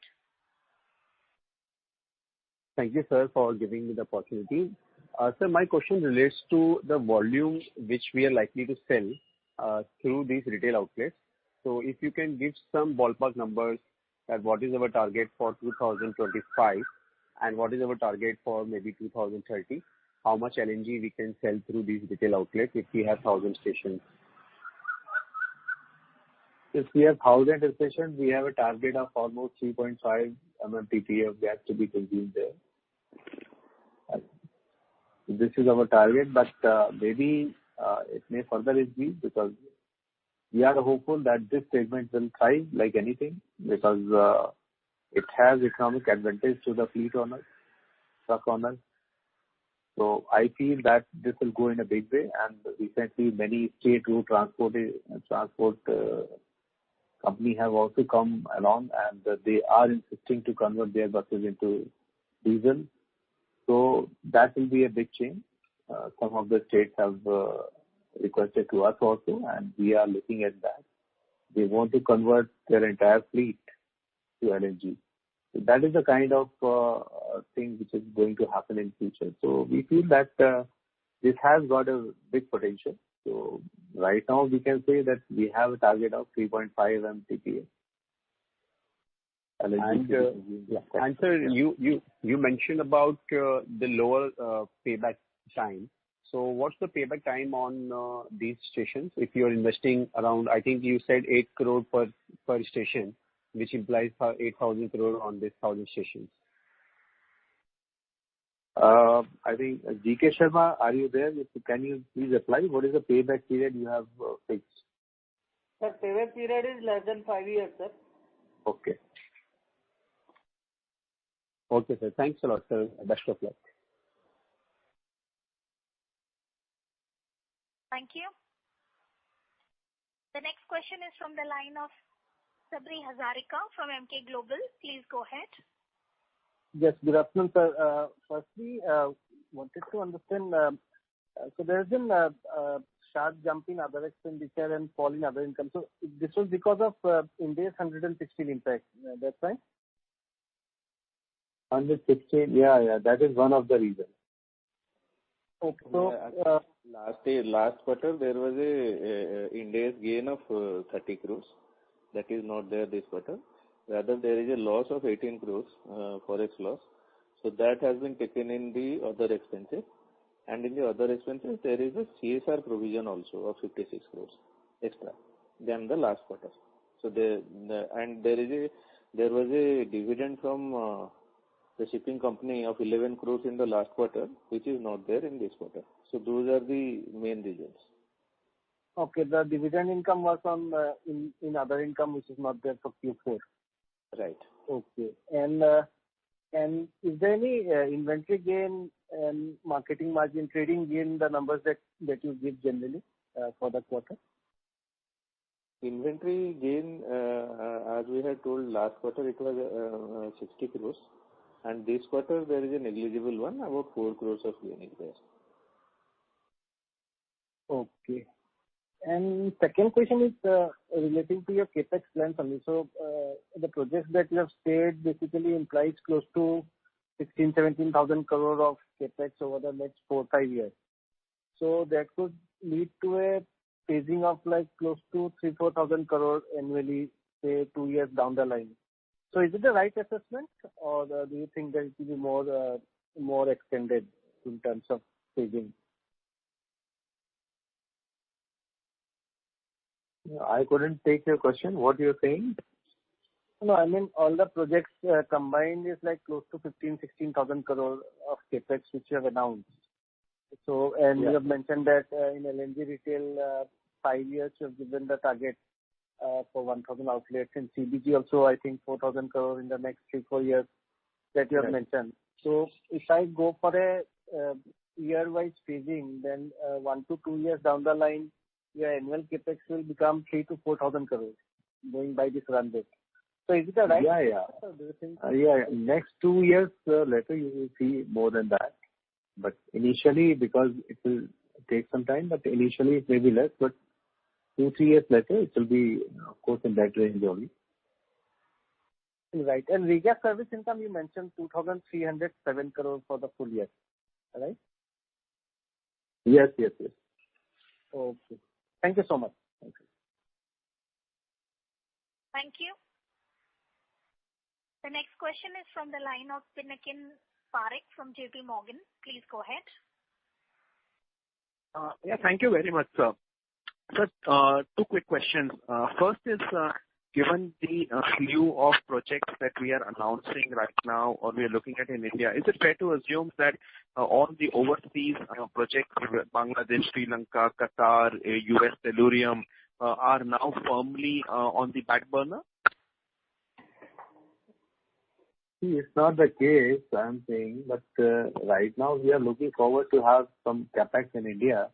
Thank you, sir, for giving me the opportunity. Sir, my question relates to the volume which we are likely to sell through these retail outlets. So if you can give some ballpark numbers that what is our target for 2025 and what is our target for maybe 2030, how much LNG we can sell through these retail outlets if we have 1,000 stations? If we have 1,000 stations, we have a target of almost 3.5 MMTPA of gas to be consumed there. This is our target. But maybe it may further increase because we are hopeful that this segment will thrive like anything because it has economic advantage to the fleet owners, truck owners. So I feel that this will go in a big way. And recently, many state road transport companies have also come along, and they are insisting to convert their buses into diesel. So that will be a big change. Some of the states have requested to us also, and we are looking at that. They want to convert their entire fleet to LNG. So that is the kind of thing which is going to happen in the future. So we feel that this has got a big potential. Right now, we can say that we have a target of 3.5 MMTPA LNG consumed. Sir, you mentioned about the lower payback time. What's the payback time on these stations if you're investing around, I think you said, 8 crore per station, which implies 8,000 crore on these 1,000 stations? I think G.K. Sharma, are you there? Can you please reply? What is the payback period you have fixed? Sir, payback period is less than five years, sir. Okay. Okay, sir. Thanks a lot, sir. Best of luck. Thank you. The next question is from the line of Sabri Hazarika from Emkay Global. Please go ahead. Yes. Good afternoon, sir. Firstly, I wanted to understand so there has been a sharp jump in other expenditure and fall in other income. So this was because of Ind AS 116 impact. That's right? 116? Yeah, yeah. That is one of the reasons. Okay. So last quarter, there was India's gain of 30 crore. That is not there this quarter. Rather, there is a loss of 18 crore, forex loss. So that has been taken in the other expenses. And in the other expenses, there is a CSR provision also of 56 crore extra than the last quarter. And there was a dividend from the shipping company of 11 crore in the last quarter which is not there in this quarter. So those are the main reasons. Okay. The dividend income was in other income which is not there for Q4. Right. Okay. And is there any inventory gain and marketing margin, trading gain in the numbers that you give generally for the quarter? Inventory gain, as we had told last quarter, it was 60 crore. This quarter, there is a negligible one, about 4 crore of gaining there. Okay. And second question is relating to your CapEx plans only. So the projects that you have stated basically implies close to 16,000 crore-17,000 crore of CapEx over the next four-five years. So that could lead to a phasing of close to 3,000 crore-4,000 crore annually, say, two years down the line. So is it the right assessment, or do you think that it will be more extended in terms of phasing? I couldn't take your question. What you're saying? No. I mean, all the projects combined is close to 15,000 crore-16,000 crore of CapEx which you have announced. And you have mentioned that in LNG retail, five years, you have given the target for 1,000 outlets. And CBG also, I think, 4,000 crore in the next three, four years that you have mentioned. So if I go for a year-wise phasing, then one to two years down the line, your annual CapEx will become 3,000 crores-4,000 crores going by this runway. So is it the right assessment? Yeah, yeah. Yeah, yeah. Next two years later, you will see more than that. But initially, because it will take some time, but initially, it may be less. But two, three years later, it will be, of course, in that range only. Right. Regas service income, you mentioned 2,307 crore for the full year. Right? Yes, yes, yes. Okay. Thank you so much. Thank you. Thank you. The next question is from the line of Pinakin Parekh from J.P. Morgan. Please go ahead. Yeah. Thank you very much, sir. Sir, two quick questions. First is, given the slew of projects that we are announcing right now or we are looking at in India, is it fair to assume that all the overseas projects - Bangladesh, Sri Lanka, Qatar, US Tellurian - are now firmly on the back burner? See, it's not the case, I'm saying. But right now, we are looking forward to having some CapEx in India.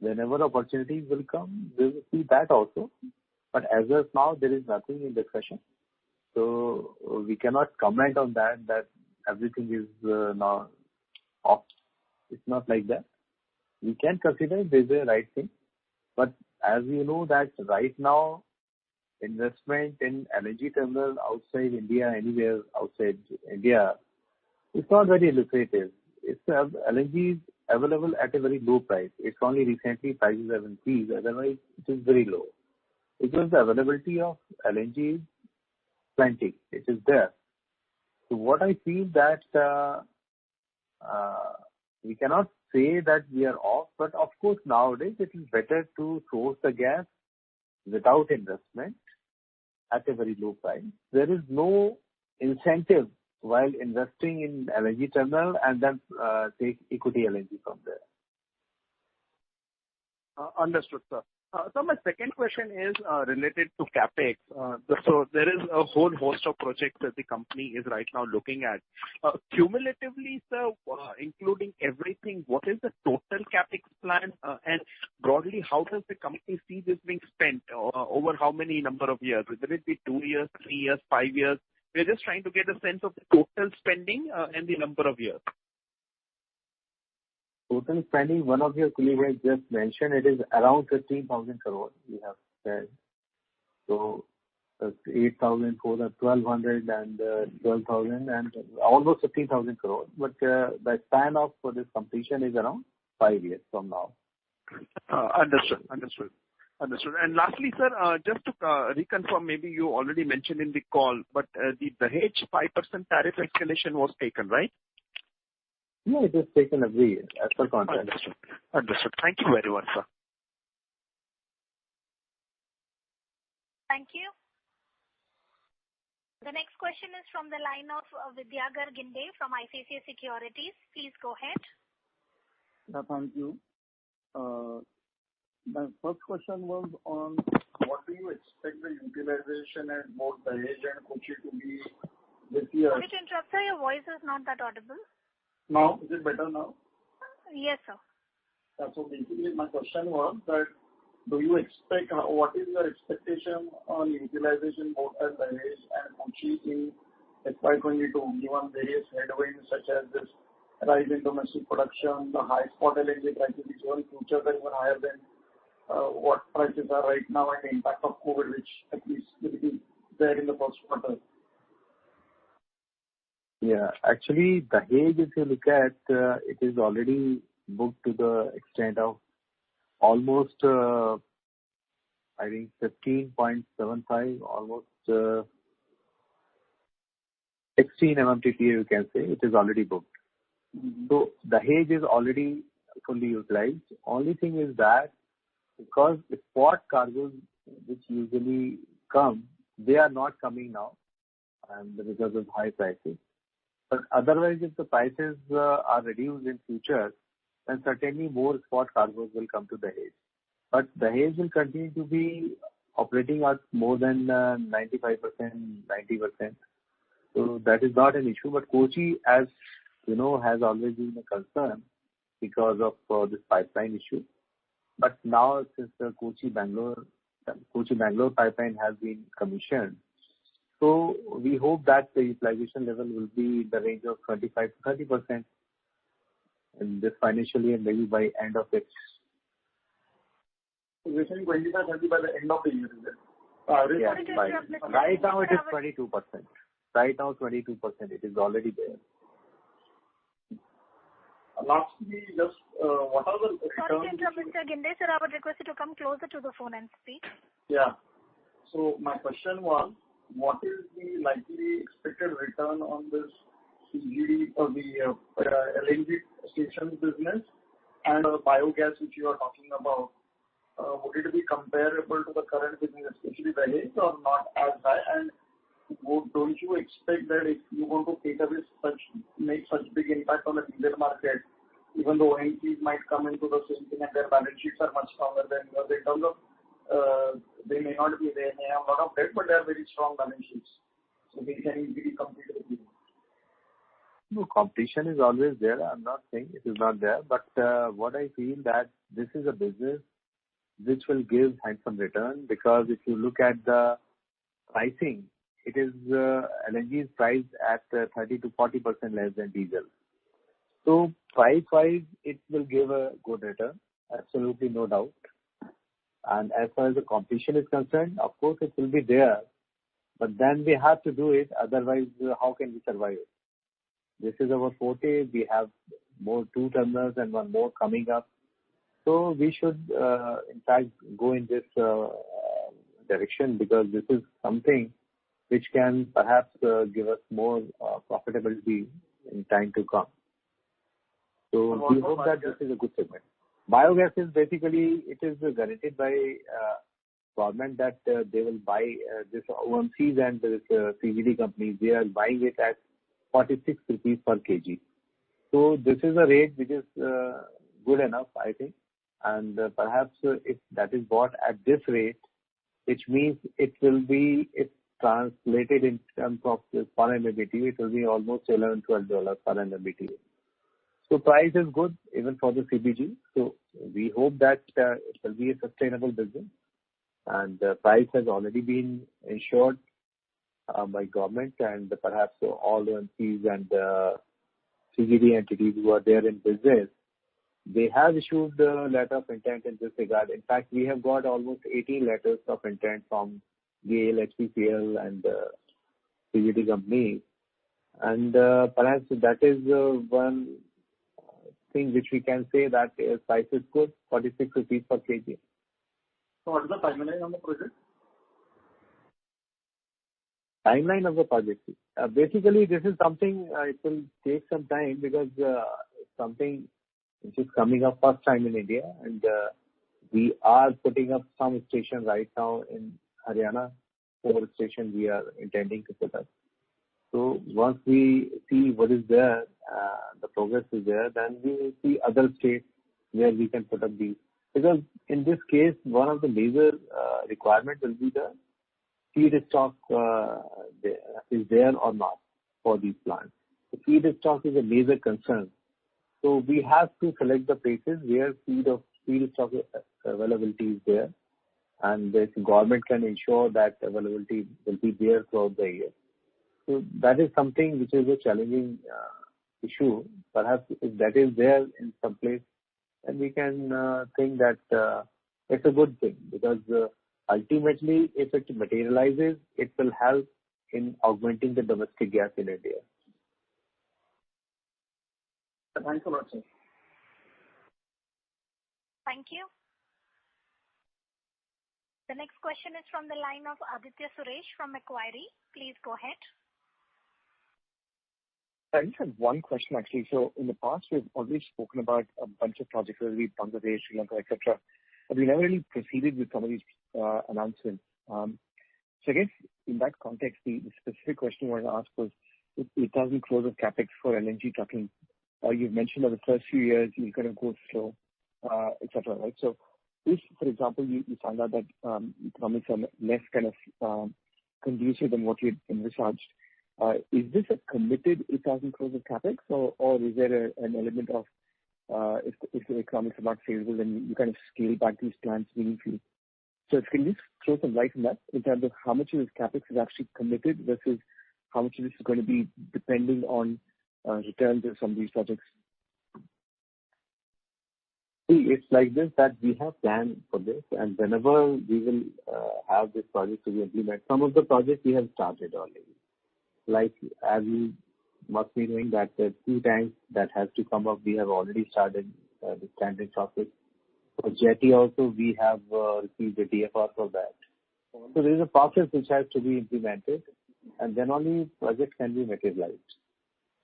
Whenever opportunities will come, we will see that also. But as of now, there is nothing in discussion. So we cannot comment on that, that everything is now off. It's not like that. We can consider it as a right thing. But as you know, right now, investment in LNG terminals outside India, anywhere outside India, it's not very lucrative. LNG is available at a very low price. It's only recently prices have increased. Otherwise, it is very low because the availability of LNG is plenty. It is there. So what I feel is that we cannot say that we are off. But of course, nowadays, it is better to source the gas without investment at a very low price. There is no incentive while investing in LNG terminal and then take equity LNG from there. Understood, sir. My second question is related to CapEx. There is a whole host of projects that the company is right now looking at. Cumulatively, sir, including everything, what is the total CapEx plan? And broadly, how does the company see this being spent over how many number of years? Will it be two years, three years, five years? We are just trying to get a sense of total spending and the number of years. Total spending, one of your colleagues just mentioned, it is around 15,000 crore. We have said so 8,000, 1,200, and 12,000, and almost 15,000 crore. But the span for this completion is around five years from now. Understood, understood, understood. Lastly, sir, just to reconfirm, maybe you already mentioned in the call, but the 5% tariff escalation was taken, right? Yeah. It was taken every year as per contract. Understood. Understood. Thank you very much, sir. Thank you. The next question is from the line of Vidyadhar Ginde from ICICI Securities. Please go ahead. Yeah. Thank you. My first question was on what do you expect the utilization at both Dahej and Kochi to be this year? Sorry to interrupt, sir. Your voice is not that audible. No. Is it better now? Yes, sir. Yeah. So basically, my question was that do you expect what is your expectation on utilization both at Dahej and Kochi in FY 2022 given various headwinds such as this rise in domestic production, the high spot LNG prices which are in the future that are even higher than what prices are right now, and the impact of COVID which at least will be there in the first quarter? Yeah. Actually, Dahej, if you look at, it is already booked to the extent of almost, I think, 15.75, almost 16 MMTPA, you can say. It is already booked. So Dahej is already fully utilized. Only thing is that because spot cargoes which usually come, they are not coming now because of high prices. But otherwise, if the prices are reduced in future, then certainly, more spot cargoes will come to Dahej. But Dahej will continue to be operating at more than 95%, 90%. So that is not an issue. But Kochi, as you know, has always been a concern because of this pipeline issue. But now, since the Kochi-Bangalore pipeline has been commissioned, so we hope that the utilization level will be in the range of 25%-30% in this financial year maybe by end of its. You're saying 25, 30 by the end of the year? Right now, it is 22%. Right now, 22%. It is already there. Lastly, just what are the returns? Sorry to interrupt, Mr. Vidyadhar Ginde. Sir, I would request you to come closer to the phone and speak. Yeah. So my question was, what is the likely expected return on this CGD or the LNG stations business and the biogas which you are talking about? Would it be comparable to the current business, especially Dahej, or not as high? And don't you expect that if you want to make such a big impact on the diesel market, even though OMCs might come into the same thing and their balance sheets are much stronger than yours in terms of they may not be there. They have a lot of debt, but they have very strong balance sheets. So they can easily compete with you. No, competition is always there. I'm not saying it is not there. But what I feel is that this is a business which will give handsome return because if you look at the pricing, LNG is priced at 30%-40% less than diesel. So price-wise, it will give a good return. Absolutely no doubt. And as far as the competition is concerned, of course, it will be there. But then we have to do it. Otherwise, how can we survive? This is our 40. We have more two terminals and one more coming up. So we should, in fact, go in this direction because this is something which can perhaps give us more profitability in time to come. So we hope that this is a good segment. Biogas is basically it is guaranteed by government that they will buy this OMCs and the CGD companies. They are buying it at 46 rupees per kg. So this is a rate which is good enough, I think. And perhaps if that is bought at this rate, which means it will be if translated in terms of per MMBTU, it will be almost $11-$12 per MMBTU. So price is good even for the CBG. So we hope that it will be a sustainable business. And price has already been ensured by government. And perhaps all the OMCs and CGD entities who are there in business, they have issued a letter of intent in this regard. In fact, we have got almost 18 letters of intent from GAIL, HPCL, and CGD companies. And perhaps that is one thing which we can say that price is good, 46 rupees per kg. What is the timeline on the project? Timeline of the project. Basically, this is something it will take some time because it's something which is coming up first time in India. We are putting up some stations right now in Haryana. Four stations we are intending to put up. Once we see what is there, the progress is there, then we will see other states where we can put up these because in this case, one of the major requirements will be the feedstock is there or not for these plants. The feedstock is a major concern. We have to select the places where feedstock availability is there and if government can ensure that availability will be there throughout the year. That is something which is a challenging issue. Perhaps if that is there in some place, then we can think that it's a good thing because ultimately, if it materializes, it will help in augmenting the domestic gas in India. Thank you very much, sir. Thank you. The next question is from the line of Aditya Suresh from Macquarie. Please go ahead. I just had one question, actually. So in the past, we've always spoken about a bunch of projects where we have Bangladesh, Sri Lanka, etc. But we never really proceeded with some of these announcements. So I guess in that context, the specific question I wanted to ask was, INR 8,000 crore of CapEx for LNG trucking. You've mentioned that the first few years, you kind of go slow, etc. Right? So if, for example, you find out that economics are less kind of conducive than what you had envisioned, is this a committed 8,000 crore of CapEx, or is there an element of if the economics are not favorable, then you kind of scale back these plants meaningfully? Can you throw some light on that in terms of how much of this CapEx is actually committed versus how much of this is going to be depending on returns of some of these projects? See, it's like this that we have planned for this. And whenever we will have this project to be implemented, some of the projects, we have started already. As you must be knowing, that the two tanks that have to come up, we have already started the tender process. For jetty also, we have received the DFR for that. So there is a process which has to be implemented, and then only projects can be materialized.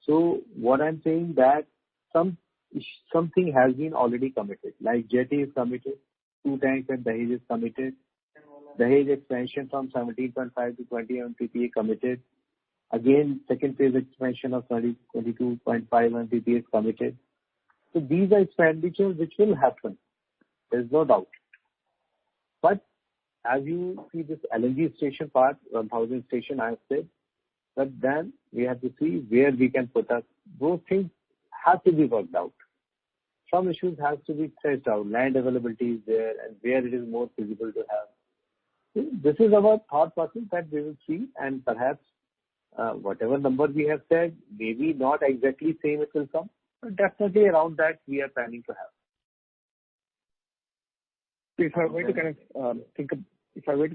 So what I'm saying is that something has been already committed. Jetty is committed. Two tanks at Dahej is committed. The Dahej expansion from 17.5-20 MMTPA committed. Again, second phase expansion of 22.5 MMTPA is committed. So these are expenditures which will happen. There's no doubt. But as you see this LNG station part, 1,000 station, I have said, but then we have to see where we can put up. Those things have to be worked out. Some issues have to be traced down, land availability is there, and where it is more feasible to have. This is our thought process that we will see. Perhaps whatever number we have said, maybe not exactly the same it will come, but definitely around that, we are planning to have. If I were to kind of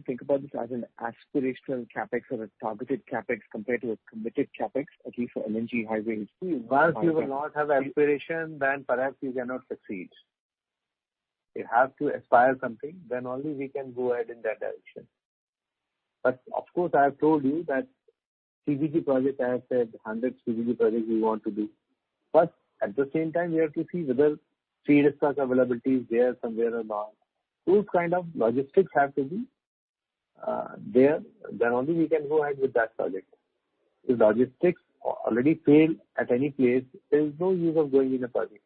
think about this as an aspirational CapEx or a targeted CapEx compared to a committed CapEx, at least for LNG highway. See, once you will not have aspiration, then perhaps you cannot succeed. You have to aspire something. Then only we can go ahead in that direction. But of course, I have told you that CBG projects, I have said 100 CBG projects we want to do. But at the same time, we have to see whether feedstock availability is there somewhere or not. Those kind of logistics have to be there. Then only we can go ahead with that project. If logistics already fail at any place, there is no use of going in a project.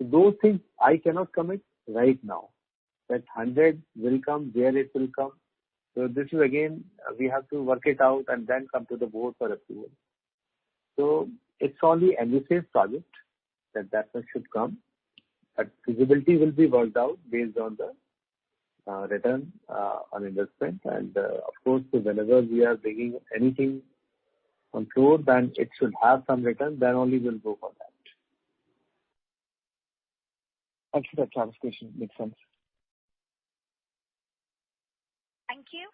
So those things, I cannot commit right now that 100 will come, where it will come. So this is, again, we have to work it out and then come to the board for approval. So it's only an ambitious project that that much should come. Feasibility will be worked out based on the return on investment. Of course, whenever we are bringing anything on floor, then it should have some return. Then only we'll go for that. I see that. That was a question. Makes sense. Thank you.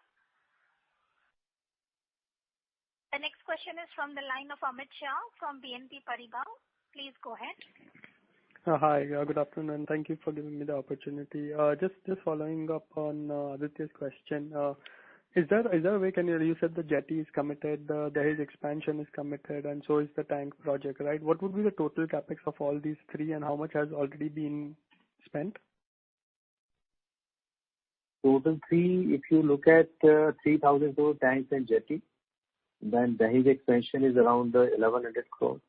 The next question is from the line of Amit Shah from BNP Paribas. Please go ahead. Hi. Good afternoon. Thank you for giving me the opportunity. Just following up on Aditya's question, is there a way? Can you—you said the jetty is committed. The Dahej expansion is committed. And so is the tank project, right? What would be the total CapEx of all these three, and how much has already been spent? Total three, if you look at 3,000 crore tanks and jetty, then the Dahej expansion is around the 1,100 crore.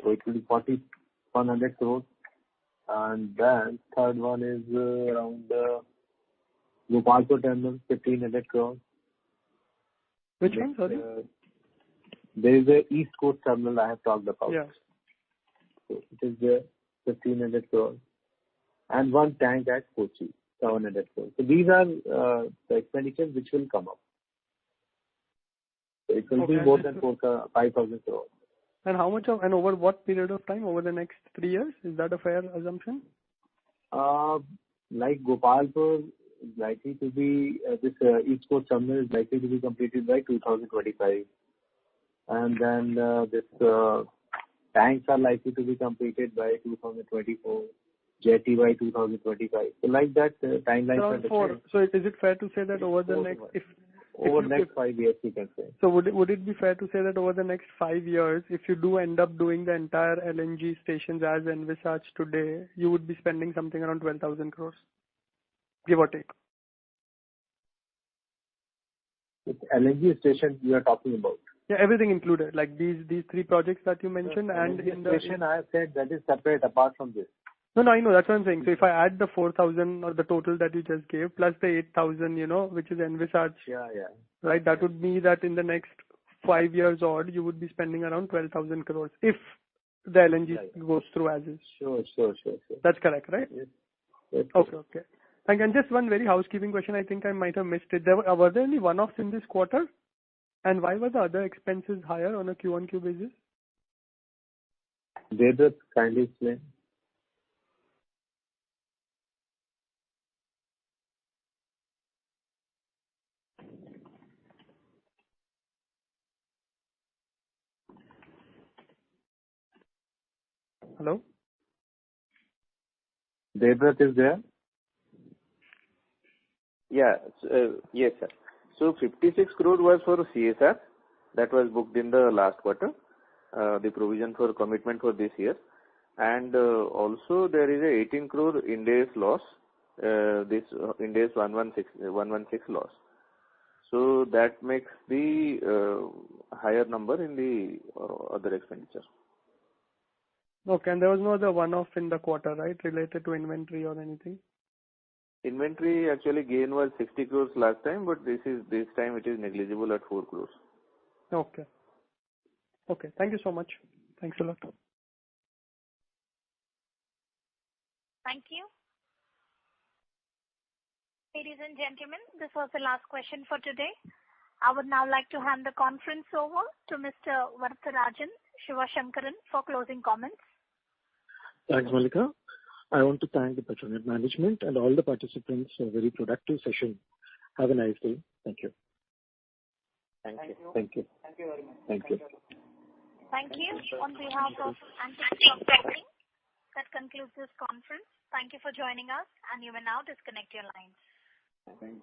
So it will be 4,100 crore. And then third one is around the Gopalpur terminal, 1,500 crore. Which one, sorry? There is an East Coast terminal I have talked about. So it is there, 1,500 crore. And one tank at Kochi, 700 crore. So these are the expenditures which will come up. So it will be more than 5,000 crore. How much of and over what period of time, over the next three years? Is that a fair assumption? Gopalpur is likely to be this East Coast terminal is likely to be completed by 2025. And then these tanks are likely to be completed by 2024, jetty by 2025. So like that, timeline is fair. Is it fair to say that over the next? Over the next five years, we can say. So would it be fair to say that over the next five years, if you do end up doing the entire LNG stations as envisaged today, you would be spending something around 12,000 crore? Give or take. With LNG stations you are talking about? Yeah, everything included, like these three projects that you mentioned and in the. The station I have said that is separate apart from this. No, no. I know. That's what I'm saying. So if I add the 4,000 or the total that you just gave plus the 8,000 which is envisaged, right, that would mean that in the next 5 years or so, you would be spending around 12,000 crores if the LNG goes through as is. Sure, sure, sure, sure. That's correct, right? Yes. Yes. Okay, okay. And just one very housekeeping question. I think I might have missed it. Were there any one-offs in this quarter? And why were the other expenses higher on a QoQ basis? David, kindly explain. Hello? David, is there? Yes. Yes, sir. So 56 crore was for CSR. That was booked in the last quarter, the provision for commitment for this year. And also, there is an 18 crore Ind AS 116 loss, this Ind AS 116 loss. So that makes the higher number in the other expenditure. Okay. There was no other one-off in the quarter, right, related to inventory or anything? Inventory, actually, gain was 60 crore last time, but this time, it is negligible at 4 crore. Okay. Okay. Thank you so much. Thanks a lot. Thank you. Ladies and gentlemen, this was the last question for today. I would now like to hand the conference over to Mr. Varatharajan Sivasankaran for closing comments. Thanks, Malika. I want to thank the Petronet Management and all the participants for a very productive session. Have a nice day. Thank you. Thank you. Thank you. Thank you very much. Thank you. Thank you. On behalf of Antique Stock Broking Limited, that concludes this conference. Thank you for joining us. You may now disconnect your lines. Thank you.